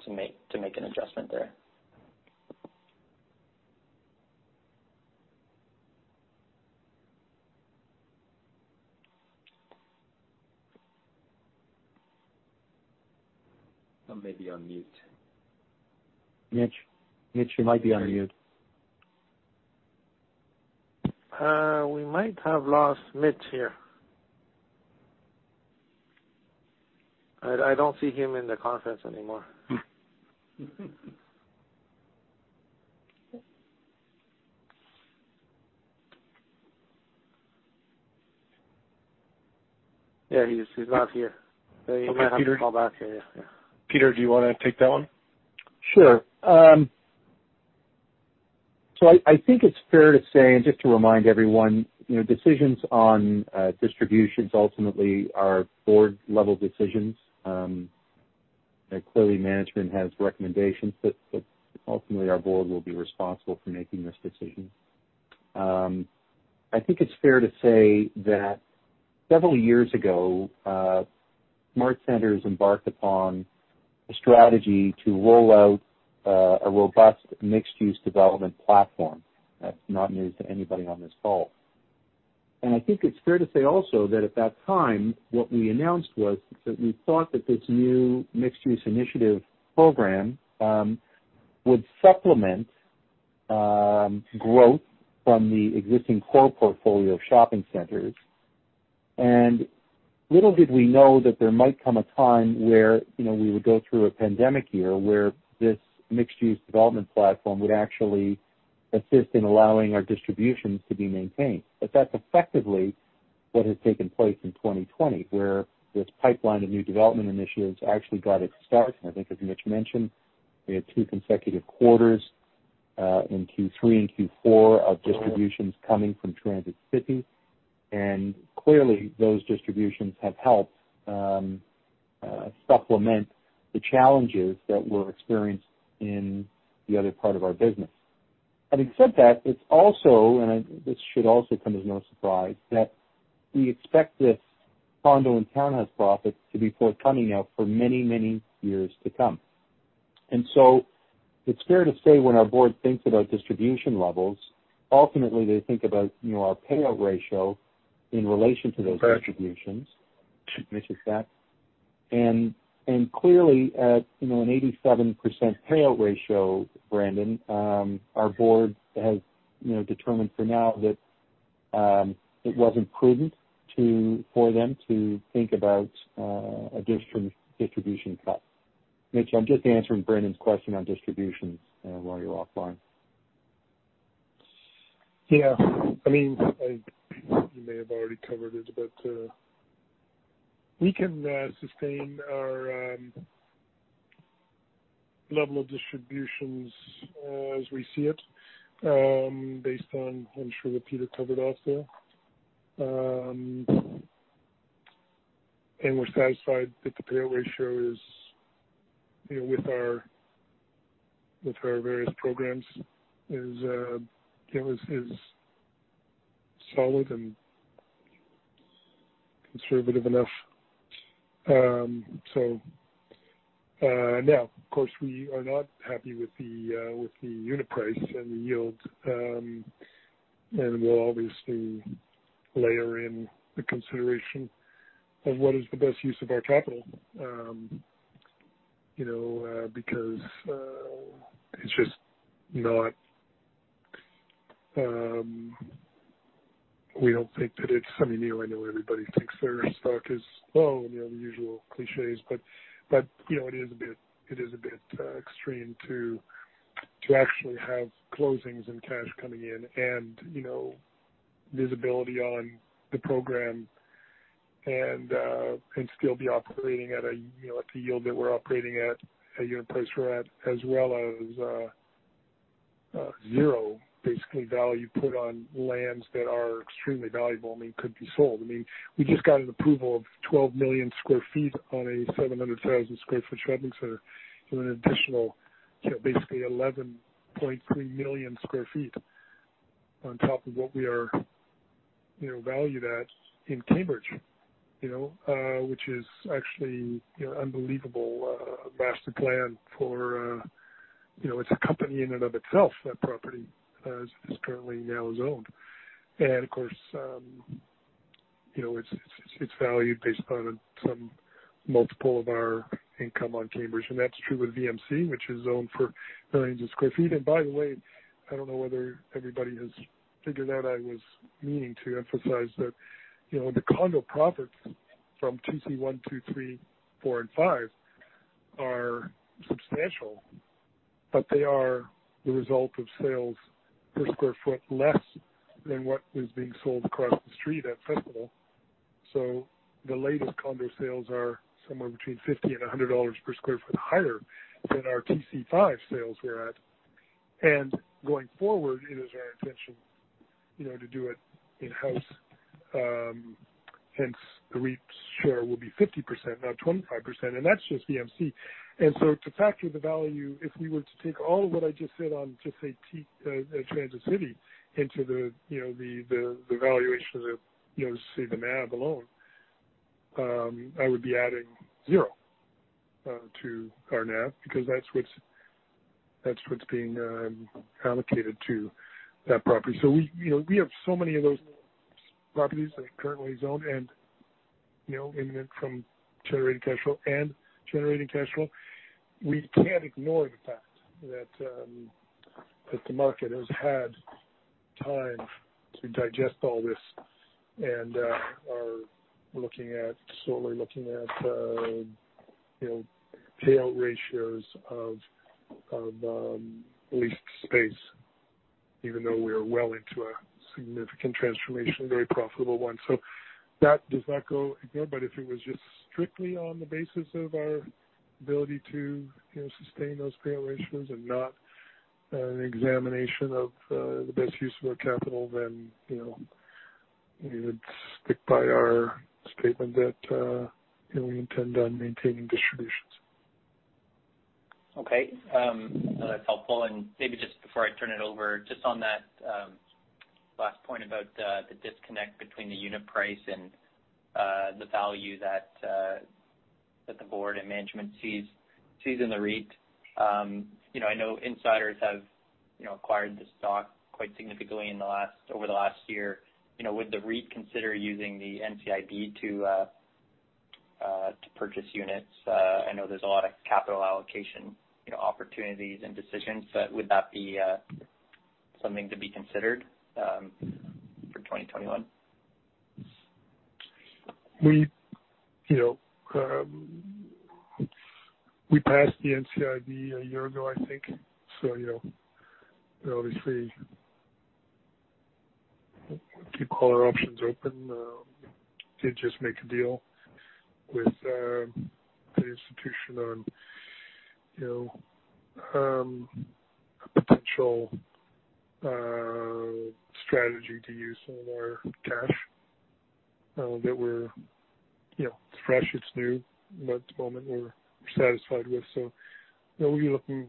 make an adjustment there? Mitch, you might be on mute. We might have lost Mitch here. I don't see him in the conference anymore. Yeah, he's not here. You might have to call back. Yeah. Peter, do you want to take that one? Sure. I think it's fair to say, and just to remind everyone, decisions on distributions ultimately are board-level decisions. Clearly, management has recommendations, but ultimately our board will be responsible for making this decision. I think it's fair to say that several years ago, SmartCentres embarked upon a strategy to roll out a robust mixed-use development platform. That's not news to anybody on this call. I think it's fair to say also that at that time, what we announced was that we thought that this new mixed-use initiative program would supplement growth from the existing core portfolio of shopping centers. Little did we know that there might come a time where we would go through a pandemic year where this mixed-use development platform would actually assist in allowing our distributions to be maintained. That's effectively what has taken place in 2020, where this pipeline of new development initiatives actually got its start. I think, as Mitch mentioned, we had two consecutive quarters, in Q3 and Q4, of distributions coming from Transit City, and clearly those distributions have helped supplement the challenges that were experienced in the other part of our business. Having said that, it's also, and this should also come as no surprise, that we expect this condo and townhouse profit to be forthcoming now for many years to come. It's fair to say when our board thinks about distribution levels, ultimately they think about our payout ratio in relation to those distributions. Mitch, clearly at an 87% payout ratio, Brendon, our board has determined for now that it wasn't prudent for them to think about a distribution cut. Mitch, I'm just answering Brendon's question on distributions while you're offline. Yeah. I think you may have already covered it, but we can sustain our level of distributions as we see it based on, I'm sure that Peter covered off there. We're satisfied that the payout ratio with our various programs is solid and conservative enough. Now, of course, we are not happy with the unit price and the yield. We'll obviously layer in the consideration of what is the best use of our capital because we don't think that it's I know everybody thinks their stock is low and the usual cliches, but it is a bit extreme to actually have closings and cash coming in and visibility on the program and still be operating at the yield that we're operating at, a unit price we're at, as well as zero, basically, value put on lands that are extremely valuable, could be sold. We just got an approval of 12 million sq ft on a 700,000 sq ft shopping center. An additional, basically 11.3 million sq ft on top of what we are valued at in Cambridge. It's a company in and of itself, that property, as it currently now is zoned. Of course, it's valued based upon some multiple of our income on Cambridge. That's true with VMC, which is zoned for millions of sq ft. By the way, I don't know whether everybody has figured out I was meaning to emphasize that the condo profits from Transit City 1, 2, 3, 4, and 5 are substantial, but they are the result of sales per square foot less than what is being sold across the street at Festival. The latest condo sales are somewhere between 50 and 100 dollars per square foot higher than our Transit City 5 sales were at. Going forward, it is our intention to do it in-house, hence the REIT's share will be 50%, not 25%, and that's just VMC. To factor the value, if we were to take all of what I just said on just say Transit City into the valuation of say the NAV alone, I would be adding zero to our NAV because that's what's being allocated to that property. We have so many of those properties that are currently zoned and imminent from generating cash flow. We can't ignore the fact that the market has had time to digest all this and are slowly looking at payout ratios of leased space, even though we are well into a significant transformation, a very profitable one. That does not go ignored. If it was just strictly on the basis of our ability to sustain those payout ratios and not an examination of the best use of our capital, then we would stick by our statement that we intend on maintaining distributions. Okay. That is helpful. Maybe just before I turn it over, just on that last point about the disconnect between the unit price and the value that the board and management sees in the REIT. I know insiders have acquired the stock quite significantly over the last year. Would the REIT consider using the NCIB to purchase units? I know there is a lot of capital allocation opportunities and decisions, but would that be something to be considered for 2021? We passed the NCIB a year ago, I think. Obviously, keep all our options open. Did just make a deal with an institution on a potential strategy to use some of our cash that it's fresh, it's new, but at the moment we're satisfied with. We're looking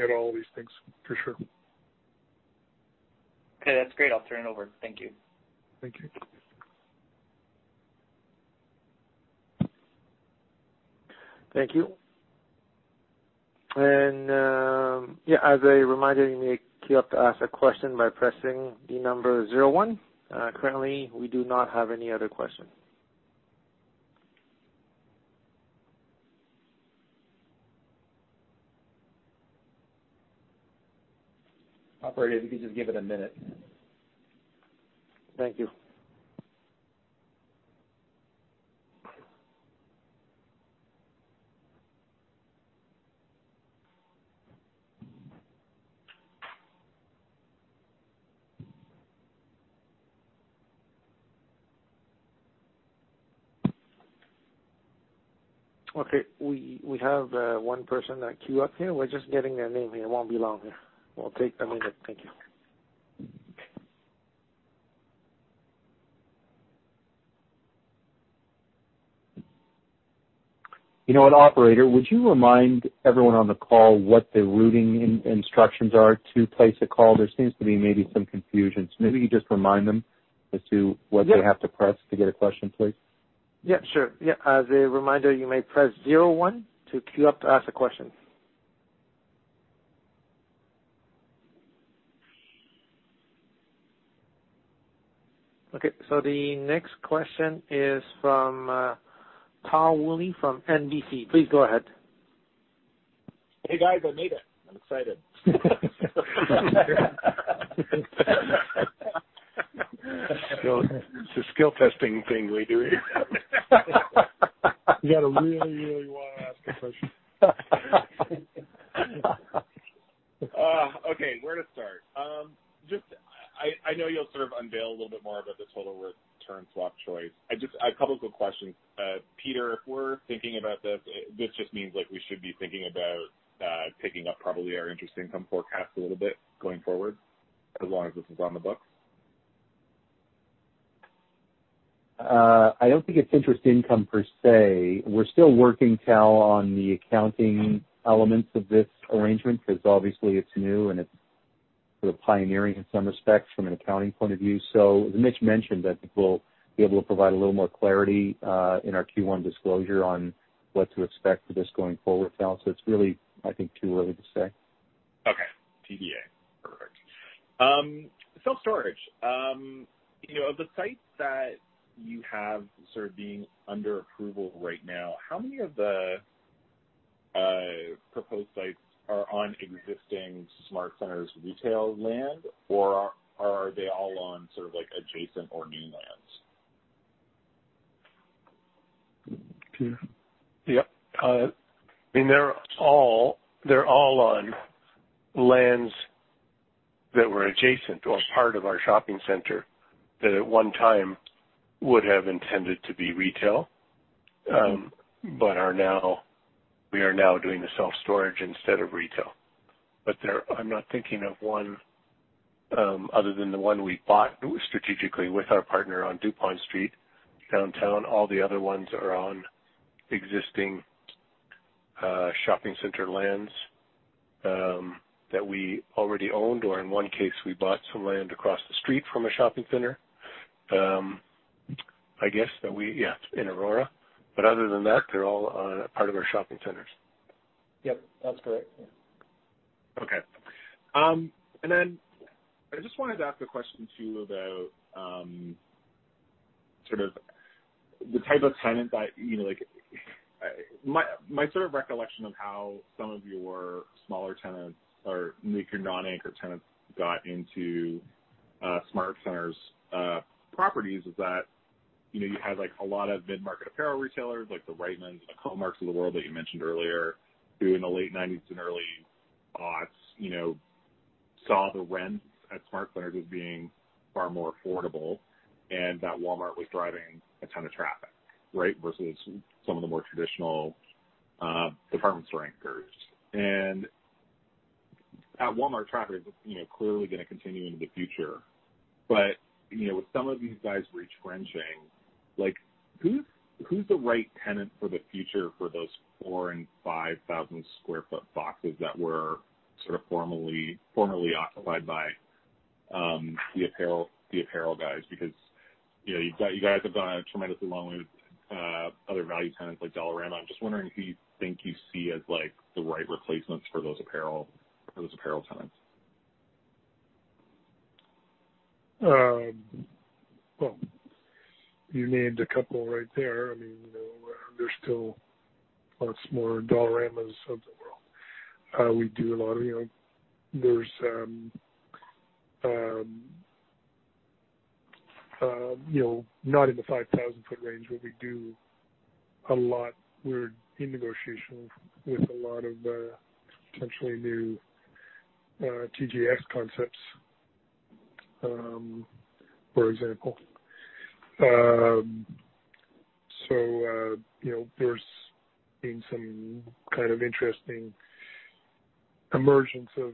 at all these things for sure. Okay, that's great. I'll turn it over. Thank you. Thank you. Thank you. Yeah, as a reminder, you may queue up to ask a question by pressing the number 01. Currently, we do not have any other questions. Operator, if you could just give it a minute. Thank you. Okay, we have one person that queued up here. We're just getting their name here. It won't be long here. We'll take a minute. Thank you. You know what, operator, would you remind everyone on the call what the routing instructions are to place a call? There seems to be maybe some confusion. Maybe you just remind them as to what they have to press to get a question, please. Yeah, sure. Yeah. As a reminder, you may press zero one to queue up to ask a question. Okay, the next question is from Tal Woolley from NBF. Please go ahead. Hey, guys, I made it. I'm excited. It's a skill testing thing we do here. You got to really, really want to ask a question. Okay, where to start? I know you'll sort of unveil a little bit more about the total return swap choice. I have a couple quick questions. Peter, if we're thinking about this just means like we should be thinking about picking up probably our interest income forecast a little bit going forward, as long as this is on the books? I don't think it's interest income per se. We're still working, Tal, on the accounting elements of this arrangement, because obviously it's new and it's sort of pioneering in some respects from an accounting point of view. As Mitch mentioned, I think we'll be able to provide a little more clarity in our Q1 disclosure on what to expect for this going forward, Tal. It's really, I think, too early to say. Okay. To Self-storage. Of the sites that you have being under approval right now, how many of the proposed sites are on existing SmartCentres retail land, or are they all on adjacent or new lands? Yeah. They're all on lands that were adjacent or part of our shopping center that at one time would have intended to be retail, but we are now doing the self-storage instead of retail. I'm not thinking of one other than the one we bought strategically with our partner on Dupont Street, downtown. All the other ones are on existing shopping center lands that we already owned, or in one case, we bought some land across the street from a shopping center, I guess, in Aurora. Other than that, they're all on a part of our shopping centers. Yep, that's correct. Yeah. Okay. I just wanted to ask a question too about the type of tenant that My recollection of how some of your smaller tenants, or your non-anchor tenants got into SmartCentres properties is that, you had a lot of mid-market apparel retailers like the Reitmans, the Comark of the world that you mentioned earlier, who in the late 90s and early aughts saw the rent at SmartCentres was being far more affordable, and that Walmart was driving a ton of traffic, right? Versus some of the more traditional department store anchors. That Walmart traffic is clearly going to continue into the future. With some of these guys retrenching, who's the right tenant for the future for those 4,000 and 5,000 square foot boxes that were formerly occupied by the apparel guys? Because you guys have done tremendously well with other value tenants like Dollarama. I'm just wondering who you think you see as the right replacements for those apparel tenants. Well, you named a couple right there. There's still lots more Dollaramas of the world. Not in the 5,000-foot range, but we're in negotiation with a lot of potentially new QSR concepts, for example. There's been some kind of interesting emergence of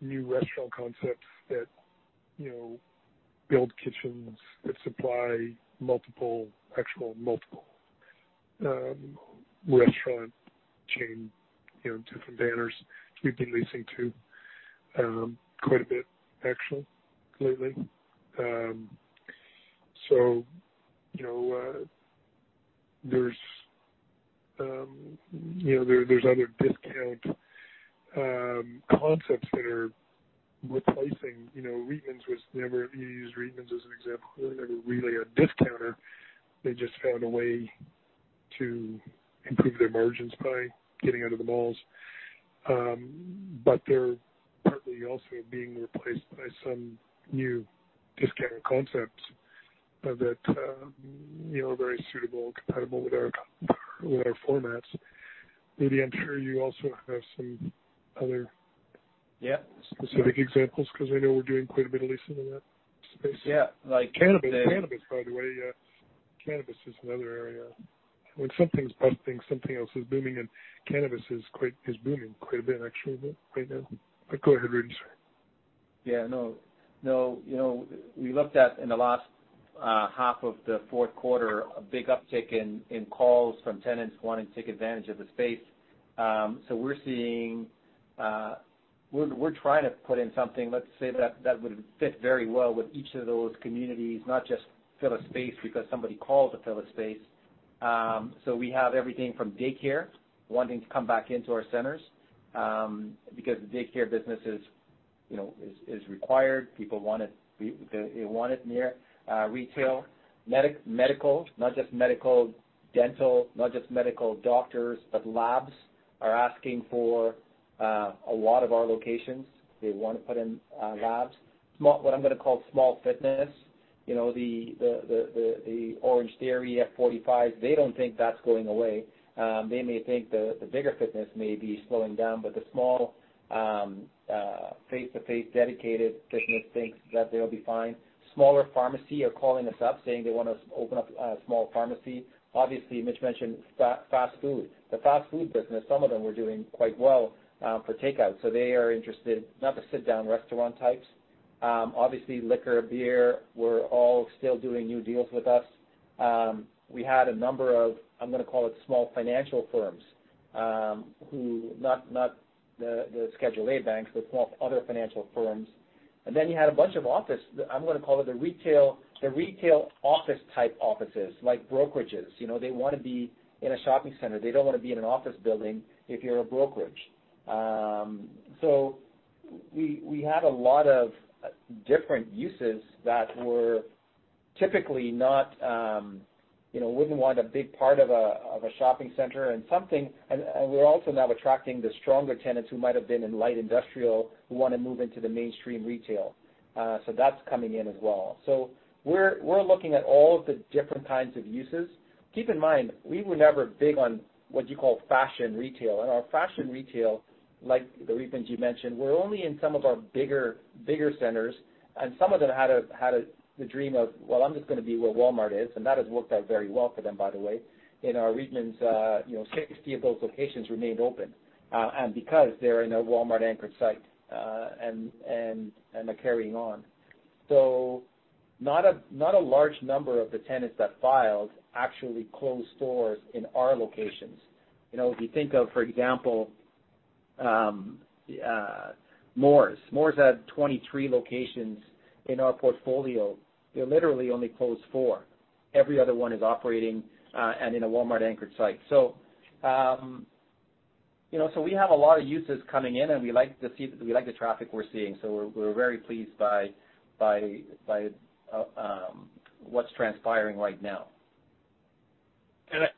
new restaurant concepts that build kitchens that supply actual multiple restaurant chain, different banners we've been leasing to quite a bit actually lately. There's other discount concepts that are replacing You used Reitmans as an example. They were never really a discounter. They just found a way to improve their margins by getting out of the malls. They're partly also being replaced by some new discount concepts that are very suitable and compatible with our formats. Rudy, I'm sure you also have some other. Yeah specific examples, because I know we're doing quite a bit of leasing in that space. Yeah, like cannabis. Cannabis, by the way, yeah. Cannabis is another area. When something's busting, something else is booming, and cannabis is booming quite a bit actually right now. Go ahead, Rudy, sorry. We looked at, in the last half of the fourth quarter, a big uptick in calls from tenants wanting to take advantage of the space. We're trying to put in something, let's say, that would fit very well with each of those communities, not just fill a space because somebody called to fill a space. We have everything from daycare wanting to come back into our centers, because the daycare business is required. People want it near. Retail, medical. Not just medical, dental. Not just medical doctors, but labs are asking for a lot of our locations. They want to put in labs. What I'm going to call small fitness, the Orangetheory, F45s. They don't think that's going away. They may think the bigger fitness may be slowing down, but the small face-to-face dedicated fitness thinks that they'll be fine. Smaller pharmacy are calling us up saying they want to open up a small pharmacy. Obviously, Mitch mentioned fast food. The fast food business, some of them were doing quite well for takeout, so they are interested. Not the sit-down restaurant types. Obviously, liquor, beer, were all still doing new deals with us. We had a number of, I'm going to call it small financial firms. Not the Schedule I banks, but small other financial firms. You had a bunch of office, I'm going to call it the retail office type offices, like brokerages. They want to be in a shopping center. They don't want to be in an office building if you're a brokerage. We had a lot of different uses that were typically wouldn't want a big part of a shopping center. We're also now attracting the stronger tenants who might have been in light industrial who want to move into the mainstream retail. That's coming in as well. We're looking at all of the different kinds of uses. Keep in mind, we were never big on what you call fashion retail. Our fashion retail, like the Reitmans you mentioned, we're only in some of our bigger centers. Some of them had the dream of, well, I'm just going to be where Walmart is, and that has worked out very well for them, by the way, in our Reitmans. 60 of those locations remained open, and because they're in a Walmart anchored site, and are carrying on. Not a large number of the tenants that filed actually closed stores in our locations. If you think of, for example, Moores. Moores had 23 locations in our portfolio. They literally only closed four. Every other one is operating and in a Walmart anchored site. We have a lot of uses coming in, and we like the traffic we're seeing. We're very pleased by what's transpiring right now.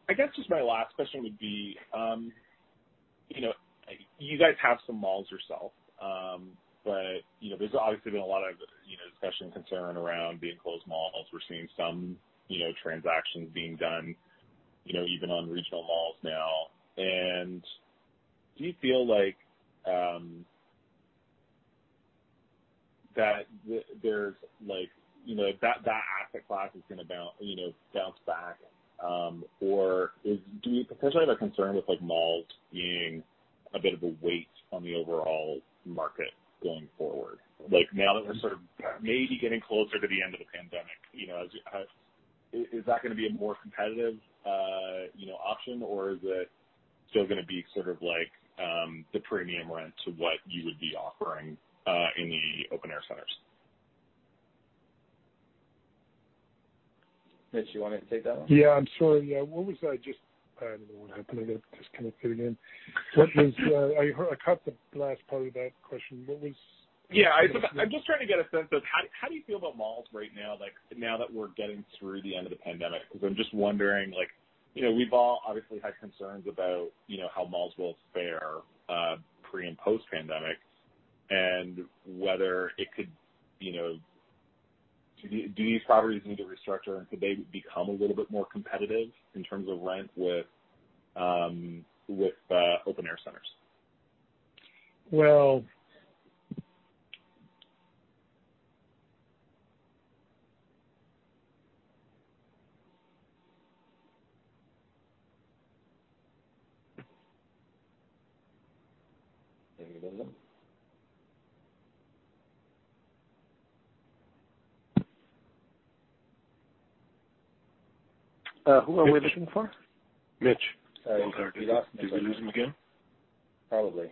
I guess just my last question would be, you guys have some malls yourself. There's obviously been a lot of discussion and concern around the enclosed malls. We're seeing some transactions being done even on regional malls now. Do you feel like that asset class is going to bounce back? Do you potentially have a concern with malls being a bit of a weight on the overall market going forward? Now that we're sort of maybe getting closer to the end of the pandemic, is that going to be a more competitive option, or is it still going to be sort of like the premium rent to what you would be offering in the open-air centers? Mitch, you want to take that one? Yeah. I'm sorry. Yeah. What was I just I don't know what happened. I got disconnected again. I caught the last part of that question. What was- Yeah. I'm just trying to get a sense of how do you feel about malls right now that we're getting through the end of the pandemic? I'm just wondering, we've all obviously had concerns about how malls will fare pre and post pandemic and whether do these properties need to restructure and could they become a little bit more competitive in terms of rent with open-air centers? Well... There you go now. Who are we looking for? Mitch. We lost Mitch again. Did we lose him again? Probably.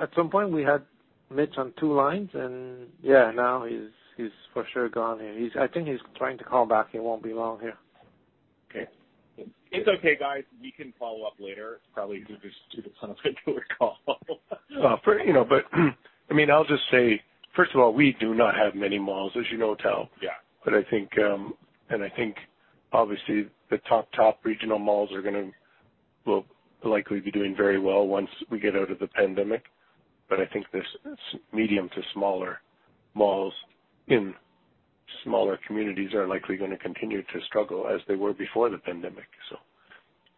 At some point, we had Mitch on two lines and yeah, now he's for sure gone. I think he's trying to call back. He won't be long here. Okay. It's okay, guys, we can follow up later. It's probably easier just to do it on a regular call. I'll just say, first of all, we do not have many malls, as you know, Tal. Yeah. I think obviously the top regional malls will likely be doing very well once we get out of the pandemic. I think this medium to smaller malls in smaller communities are likely going to continue to struggle as they were before the pandemic.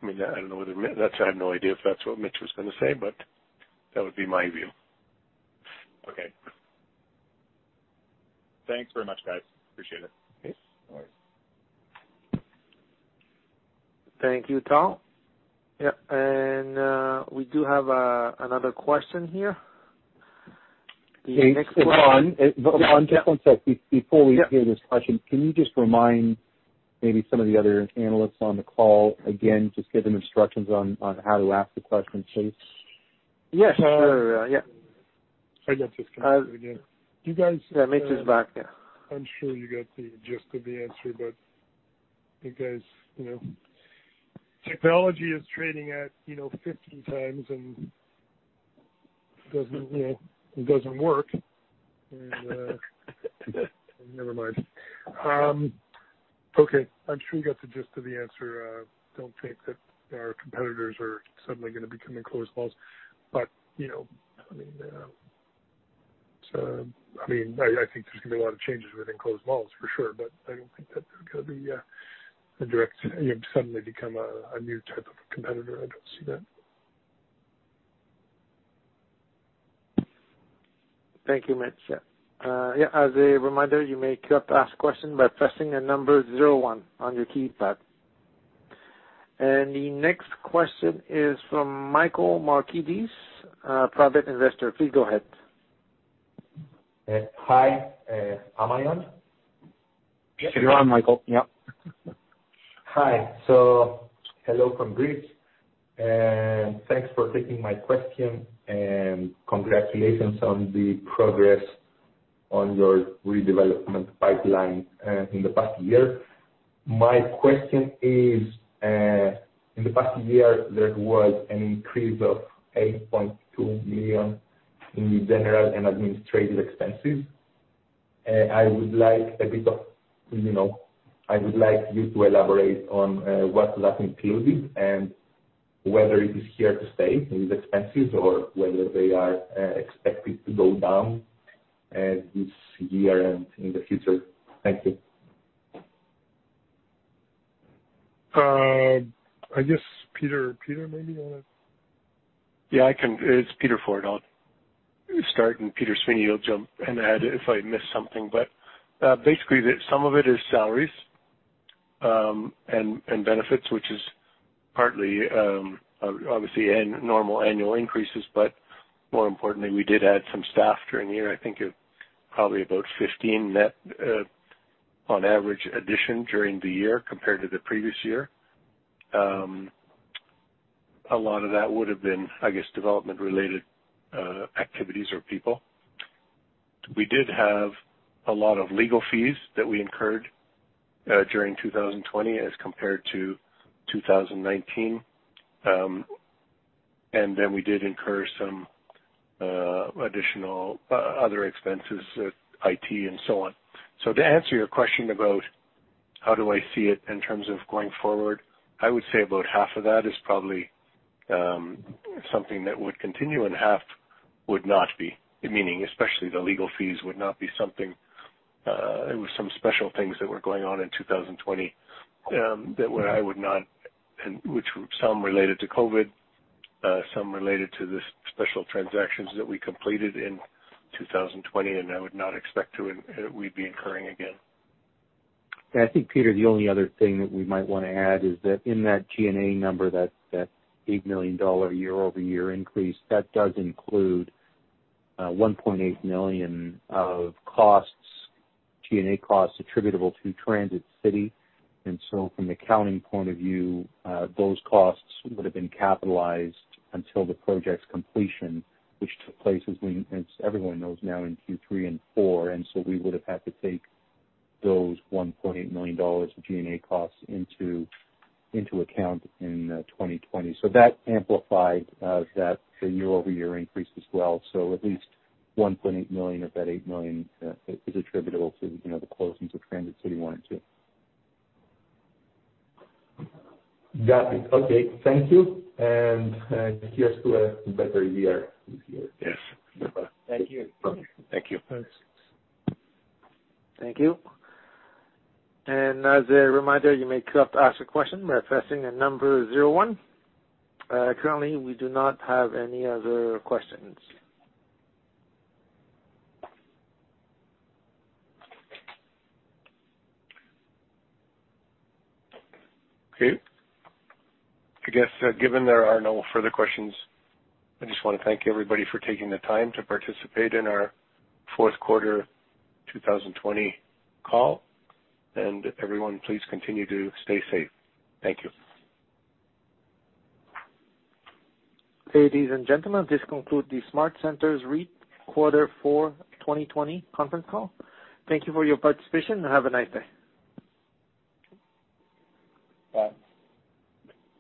I have no idea if that's what Mitch was going to say, but that would be my view. Okay. Thanks very much, guys. Appreciate it. Okay. No worries. Thank you, Tal. Yep. We do have another question here. Hey, it's Ron. Yeah. Ron, just one sec. Before we hear this question, can you just remind maybe some of the other analysts on the call again, just give them instructions on how to ask the question please. Yes, sure. Yeah. I got disconnected again. Yeah, Mitch is back now. I'm sure you got the gist of the answer, because technology is trading at 15 times and it doesn't work. Never mind. Okay. I'm sure you got the gist of the answer. I don't think that our competitors are suddenly going to become enclosed malls. I think there's going to be a lot of changes with enclosed malls for sure, but I don't think that they're going to suddenly become a new type of competitor. I don't see that. Thank you, Mitch. Yeah. As a reminder, you may queue up to ask questions by pressing the number zero one on your keypad. The next question is from Michael Markides, private investor. Please go ahead. Hi, am I on? You're on, Michael. Yep. Hi. Hello from Greece, and thanks for taking my question, and congratulations on the progress on your redevelopment pipeline in the past year. My question is, in the past year, there was an increase of 8.2 million in general and administrative expenses. I would like you to elaborate on what that included and whether it is here to stay, these expenses, or whether they are expected to go down this year and in the future. Thank you. I guess, Peter, maybe you want to. Yeah, I can. It's Peter Forde. I'll start, and Peter Sweeney will jump in ahead if I miss something. Basically, some of it is salaries and benefits, which is partly, obviously normal annual increases, but more importantly, we did add some staff during the year. I think probably about 15 net on average addition during the year compared to the previous year. A lot of that would've been, I guess, development-related activities or people. We did have a lot of legal fees that we incurred during 2020 as compared to 2019. We did incur some additional other expenses, IT and so on. To answer your question about how do I see it in terms of going forward, I would say about half of that is probably something that would continue and half would not be. Meaning especially the legal fees would not be something. There were some special things that were going on in 2020, some related to COVID, some related to the special transactions that we completed in 2020, and I would not expect we'd be incurring again. Yeah, I think, Peter, the only other thing that we might want to add is that in that G&A number, that 8 million dollar year-over-year increase, that does include 1.8 million of G&A costs attributable to Transit City. From the accounting point of view, those costs would've been capitalized until the project's completion, which took place as everyone knows now in Q3 and Q4, we would've had to take those 1.8 million dollars of G&A costs into account in 2020. That amplified that year-over-year increase as well. At least 1.8 million of that 8 million is attributable to the closings of Transit City 1 and 2. Got it. Okay. Thank you, and here's to a better year this year. Yes. Thank you. Thank you. Thank you. As a reminder, you may queue up to ask a question by pressing the number zero one. Currently, we do not have any other questions. Okay. I guess given there are no further questions, I just want to thank everybody for taking the time to participate in our fourth quarter 2020 call. Everyone, please continue to stay safe. Thank you. Ladies and gentlemen, this concludes the SmartCentres REIT quarter four 2020 conference call. Thank you for your participation and have a nice day. Bye.